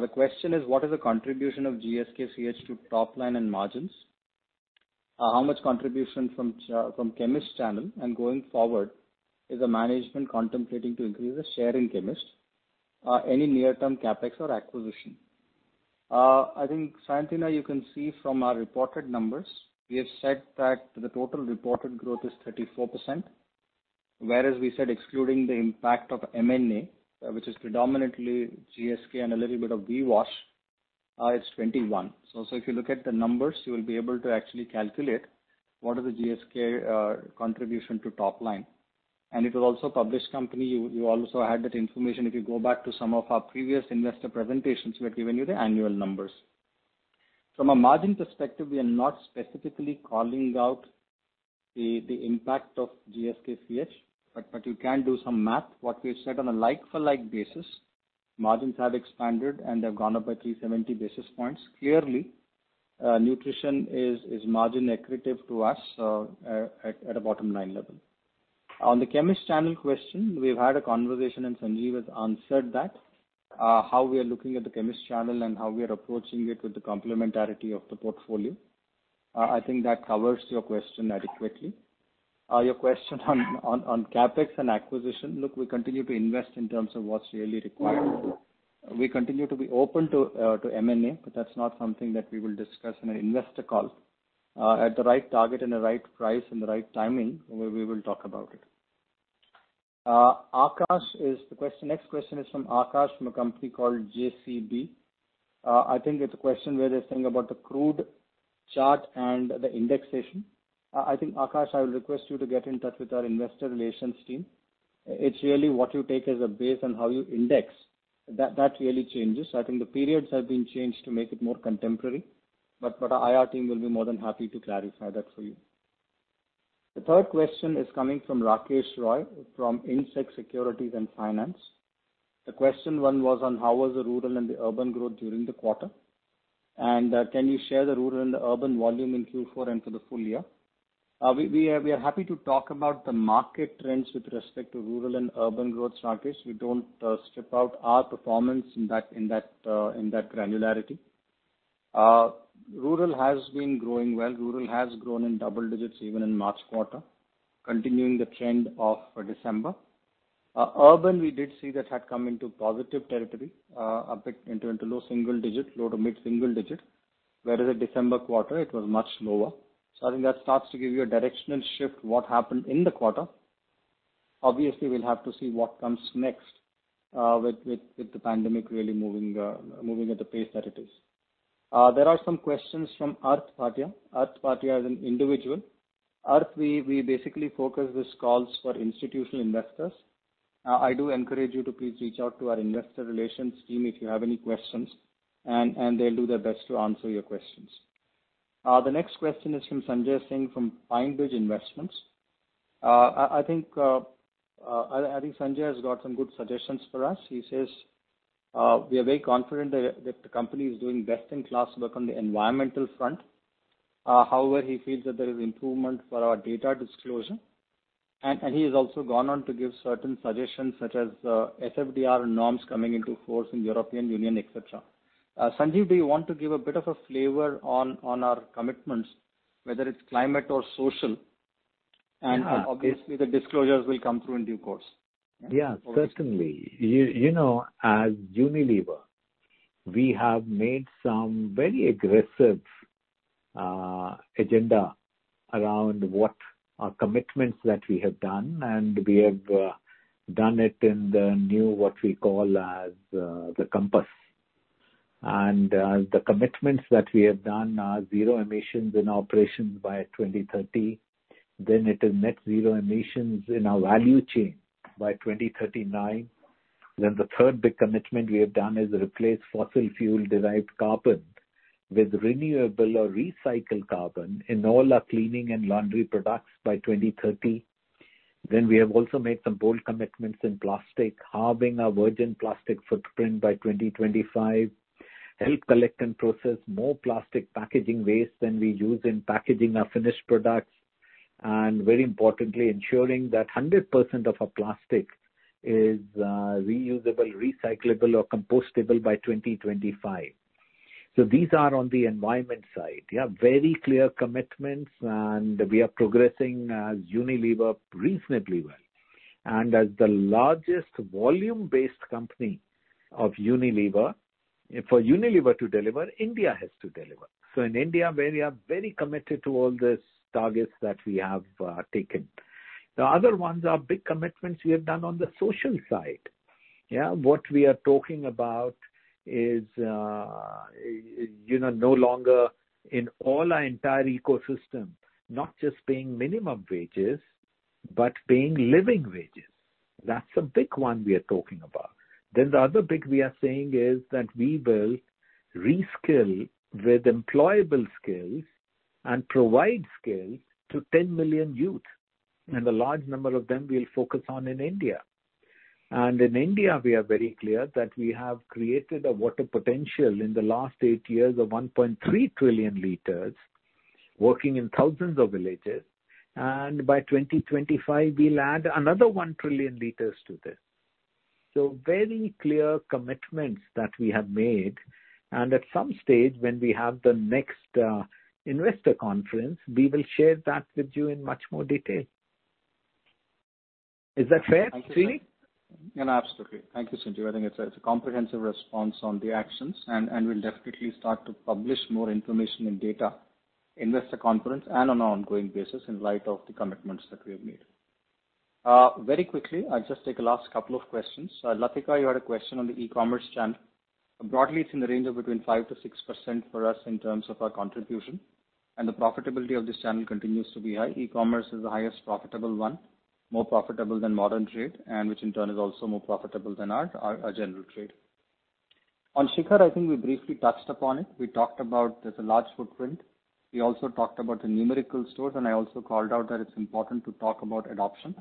The question is, what is the contribution of GSKCH to top line and margins? How much contribution from Chemist Channel and going forward is the management contemplating to increase the share in Chemist? Any near-term CapEx or acquisition? I think, Sayantina, you can see from our reported numbers, we have said that the total reported growth is 34%. Whereas we said, excluding the impact of M&A, which is predominantly GSK and a little bit of VWash, it's 21%. So if you look at the numbers, you will be able to actually calculate what is the GSK contribution to top line. And it was also published by the company. You also had that information. If you go back to some of our previous investor presentations, we have given you the annual numbers. From a margin perspective, we are not specifically calling out the impact of GSKCH, but you can do some math. What we've said on a like-for-like basis, margins have expanded and they've gone up by 370 basis points. Clearly, nutrition is margin-accretive to us at a bottom-line level. On the Chemist Channel question, we've had a conversation and Sanjiv has answered that, how we are looking at the Chemist Channel and how we are approaching it with the complementarity of the portfolio. I think that covers your question adequately. Your question on CapEx and acquisition, look, we continue to invest in terms of what's really required. We continue to be open to M&A, but that's not something that we will discuss in an investor call. At the right target, at the right price, and the right timing, we will talk about it. Akash is the question. Next question is from Akash from a company called JCB. I think it's a question where they're saying about the crude chart and the indexation. I think, Akash, I will request you to get in touch with our investor relations team. It's really what you take as a base on how you index. That really changes. I think the periods have been changed to make it more contemporary, but our IR team will be more than happy to clarify that for you. The third question is coming from Rakesh Roy from Indsec Securities and Finance. The question one was on how was the rural and the urban growth during the quarter? And can you share the rural and the urban volume in Q4 and for the full year? We are happy to talk about the market trends with respect to rural and urban growth strategies. We don't strip out our performance in that granularity. Rural has been growing well. Rural has grown in double digits even in March quarter, continuing the trend of December. Urban, we did see that had come into positive territory, a bit into low single digit, low to mid single digit, whereas the December quarter, it was much lower. So I think that starts to give you a directional shift what happened in the quarter. Obviously, we'll have to see what comes next with the pandemic really moving at the pace that it is. There are some questions from Arth Bhatia. Arth Bhatia is an individual. Arth, we basically focus with calls for institutional investors. I do encourage you to please reach out to our investor relations team if you have any questions, and they'll do their best to answer your questions. The next question is from Sanjay Singh from PineBridge Investments. I think Sanjiv has got some good suggestions for us. He says we are very confident that the company is doing best-in-class work on the environmental front. However, he feels that there is improvement for our data disclosure. And he has also gone on to give certain suggestions such as SFDR norms coming into force in the European Union, etc. Sanjiv, do you want to give a bit of a flavor on our commitments, whether it's climate or social? And obviously, the disclosures will come through in due course. Yeah. Certainly. As Unilever, we have made some very aggressive agenda around what our commitments that we have done. We have done it in the new what we call as the Compass. The commitments that we have done are zero emissions in operations by 2030. It is net zero emissions in our value chain by 2039. The third big commitment we have done is replace fossil fuel-derived carbon with renewable or recycled carbon in all our cleaning and laundry products by 2030. We have also made some bold commitments in plastic, halving our virgin plastic footprint by 2025, help collect and process more plastic packaging waste than we use in packaging our finished products. Very importantly, ensuring that 100% of our plastic is reusable, recyclable, or compostable by 2025. These are on the environment side. Yeah. Very clear commitments. We are progressing as Unilever reasonably well. And as the largest volume-based company of Unilever, for Unilever to deliver, India has to deliver. So in India, we are very committed to all these targets that we have taken. The other ones are big commitments we have done on the social side. Yeah. What we are talking about is no longer in all our entire ecosystem, not just paying minimum wages, but paying living wages. That's a big one we are talking about. Then the other big we are saying is that we will reskill with employable skills and provide skills to 10 million youth. And a large number of them we'll focus on in India. And in India, we are very clear that we have created a water potential in the last eight years of 1.3 trillion liters, working in thousands of villages. And by 2025, we'll add another 1 trillion liters to this. So very clear commitments that we have made. And at some stage, when we have the next investor conference, we will share that with you in much more detail. Is that fair, Sri? Absolutely. Thank you, Sanjiv. I think it's a comprehensive response on the actions. And we'll definitely start to publish more information and data in this conference and on an ongoing basis in light of the commitments that we have made. Very quickly, I'll just take the last couple of questions. Latika, you had a question on the e-commerce channel. Broadly, it's in the range of between 5%-6% for us in terms of our contribution. And the profitability of this channel continues to be high. E-commerce is the highest profitable one, more profitable than modern trade, and which in turn is also more profitable than our general trade. On Shikhar, I think we briefly touched upon it. We talked about there's a large footprint. We also talked about the numerous stores and I also called out that it's important to talk about adoption.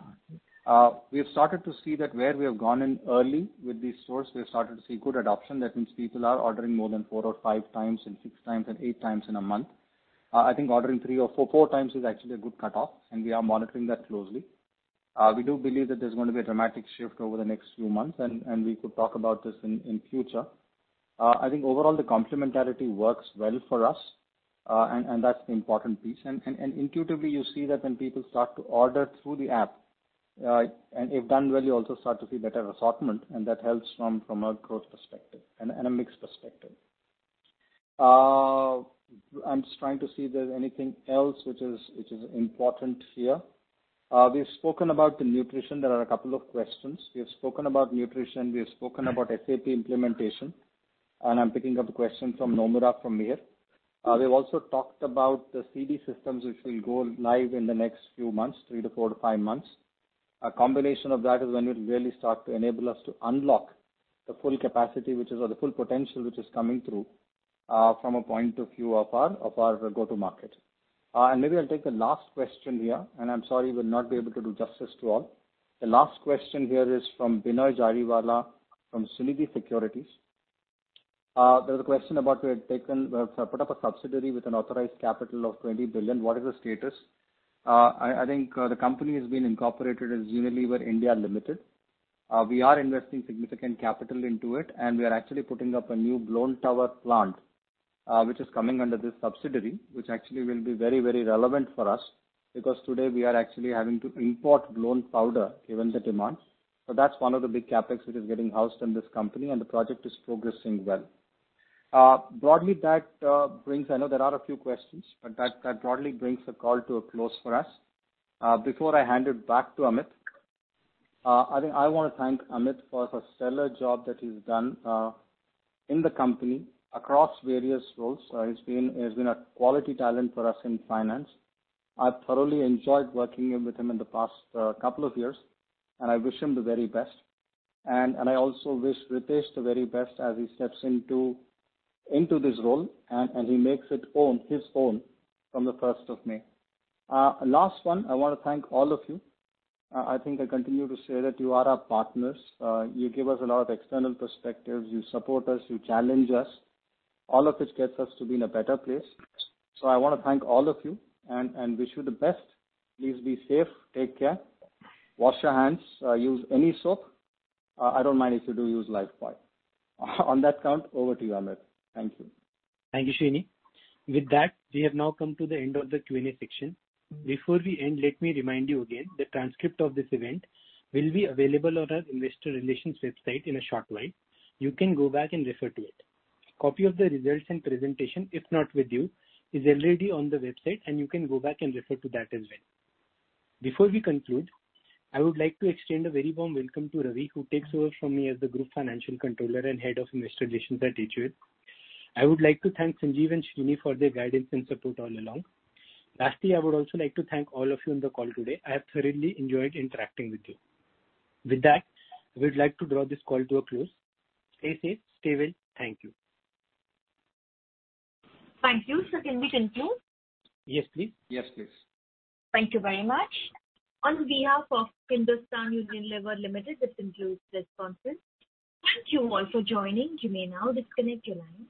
We have started to see that where we have gone in early with these stores, we have started to see good adoption. That means people are ordering more than four or five times and six times and eight times in a month. I think ordering three or four times is actually a good cutoff and we are monitoring that closely. We do believe that there's going to be a dramatic shift over the next few months and we could talk about this in future. I think overall, the complementarity works well for us and that's the important piece. And intuitively, you see that when people start to order through the app, and if done well, you also start to see better assortment. And that helps from a growth perspective and a mixed perspective. I'm just trying to see if there's anything else which is important here. We've spoken about the nutrition. There are a couple of questions. We have spoken about nutrition. We have spoken about SAP implementation. And I'm picking up the question from Nomura from here. We've also talked about the CD systems, which will go live in the next few months, three to four to five months. A combination of that is when we'll really start to enable us to unlock the full capacity, which is the full potential which is coming through from a point of view of our go-to-market. And maybe I'll take the last question here. I'm sorry, we'll not be able to do justice to all. The last question here is from Binoy Jariwala from Sunidhi Securities. There was a question about we had put up a subsidiary with an authorized capital of 20 billion. What is the status? I think the company has been incorporated as Unilever India Limited. We are investing significant capital into it. And we are actually putting up a new blown tower plant, which is coming under this subsidiary, which actually will be very, very relevant for us because today we are actually having to import blown powder, given the demand. So that's one of the big CapEx which is getting housed in this company. And the project is progressing well. Broadly, that brings. I know there are a few questions, but that broadly brings the call to a close for us. Before I hand it back to Amit, I want to thank Amit for a stellar job that he's done in the company across various roles. He's been a quality talent for us in finance. I've thoroughly enjoyed working with him in the past couple of years. And I wish him the very best. And I also wish Ritesh the very best as he steps into this role. And he makes it his own from the 1st of May. Last one, I want to thank all of you. I think I continue to say that you are our partners. You give us a lot of external perspectives. You support us. You challenge us. All of which gets us to be in a better place. So I want to thank all of you and wish you the best. Please be safe. Take care. Wash your hands. Use any soap. I don't mind if you do use Lifebuoy. On that count, over to you, Amit. Thank you. Thank you, Srini. With that, we have now come to the end of the Q&A section. Before we end, let me remind you again the transcript of this event will be available on our investor relations website in a short while. You can go back and refer to it. A copy of the results and presentation, if not with you, is already on the website, and you can go back and refer to that as well. Before we conclude, I would like to extend a very warm welcome to Ravi, who takes over from me as the Group Financial Controller and Head of Investor Relations at HUL. I would like to thank Sanjiv and Srini for their guidance and support all along. Lastly, I would also like to thank all of you on the call today. I have thoroughly enjoyed interacting with you. With that, we'd like to draw this call to a close. Stay safe. Stay well. Thank you. Thank you. So can we conclude? Yes, please. Yes, please. Thank you very much. On behalf of Hindustan Unilever Limited, this concludes this conference. Thank you all for joining. You may now disconnect your line.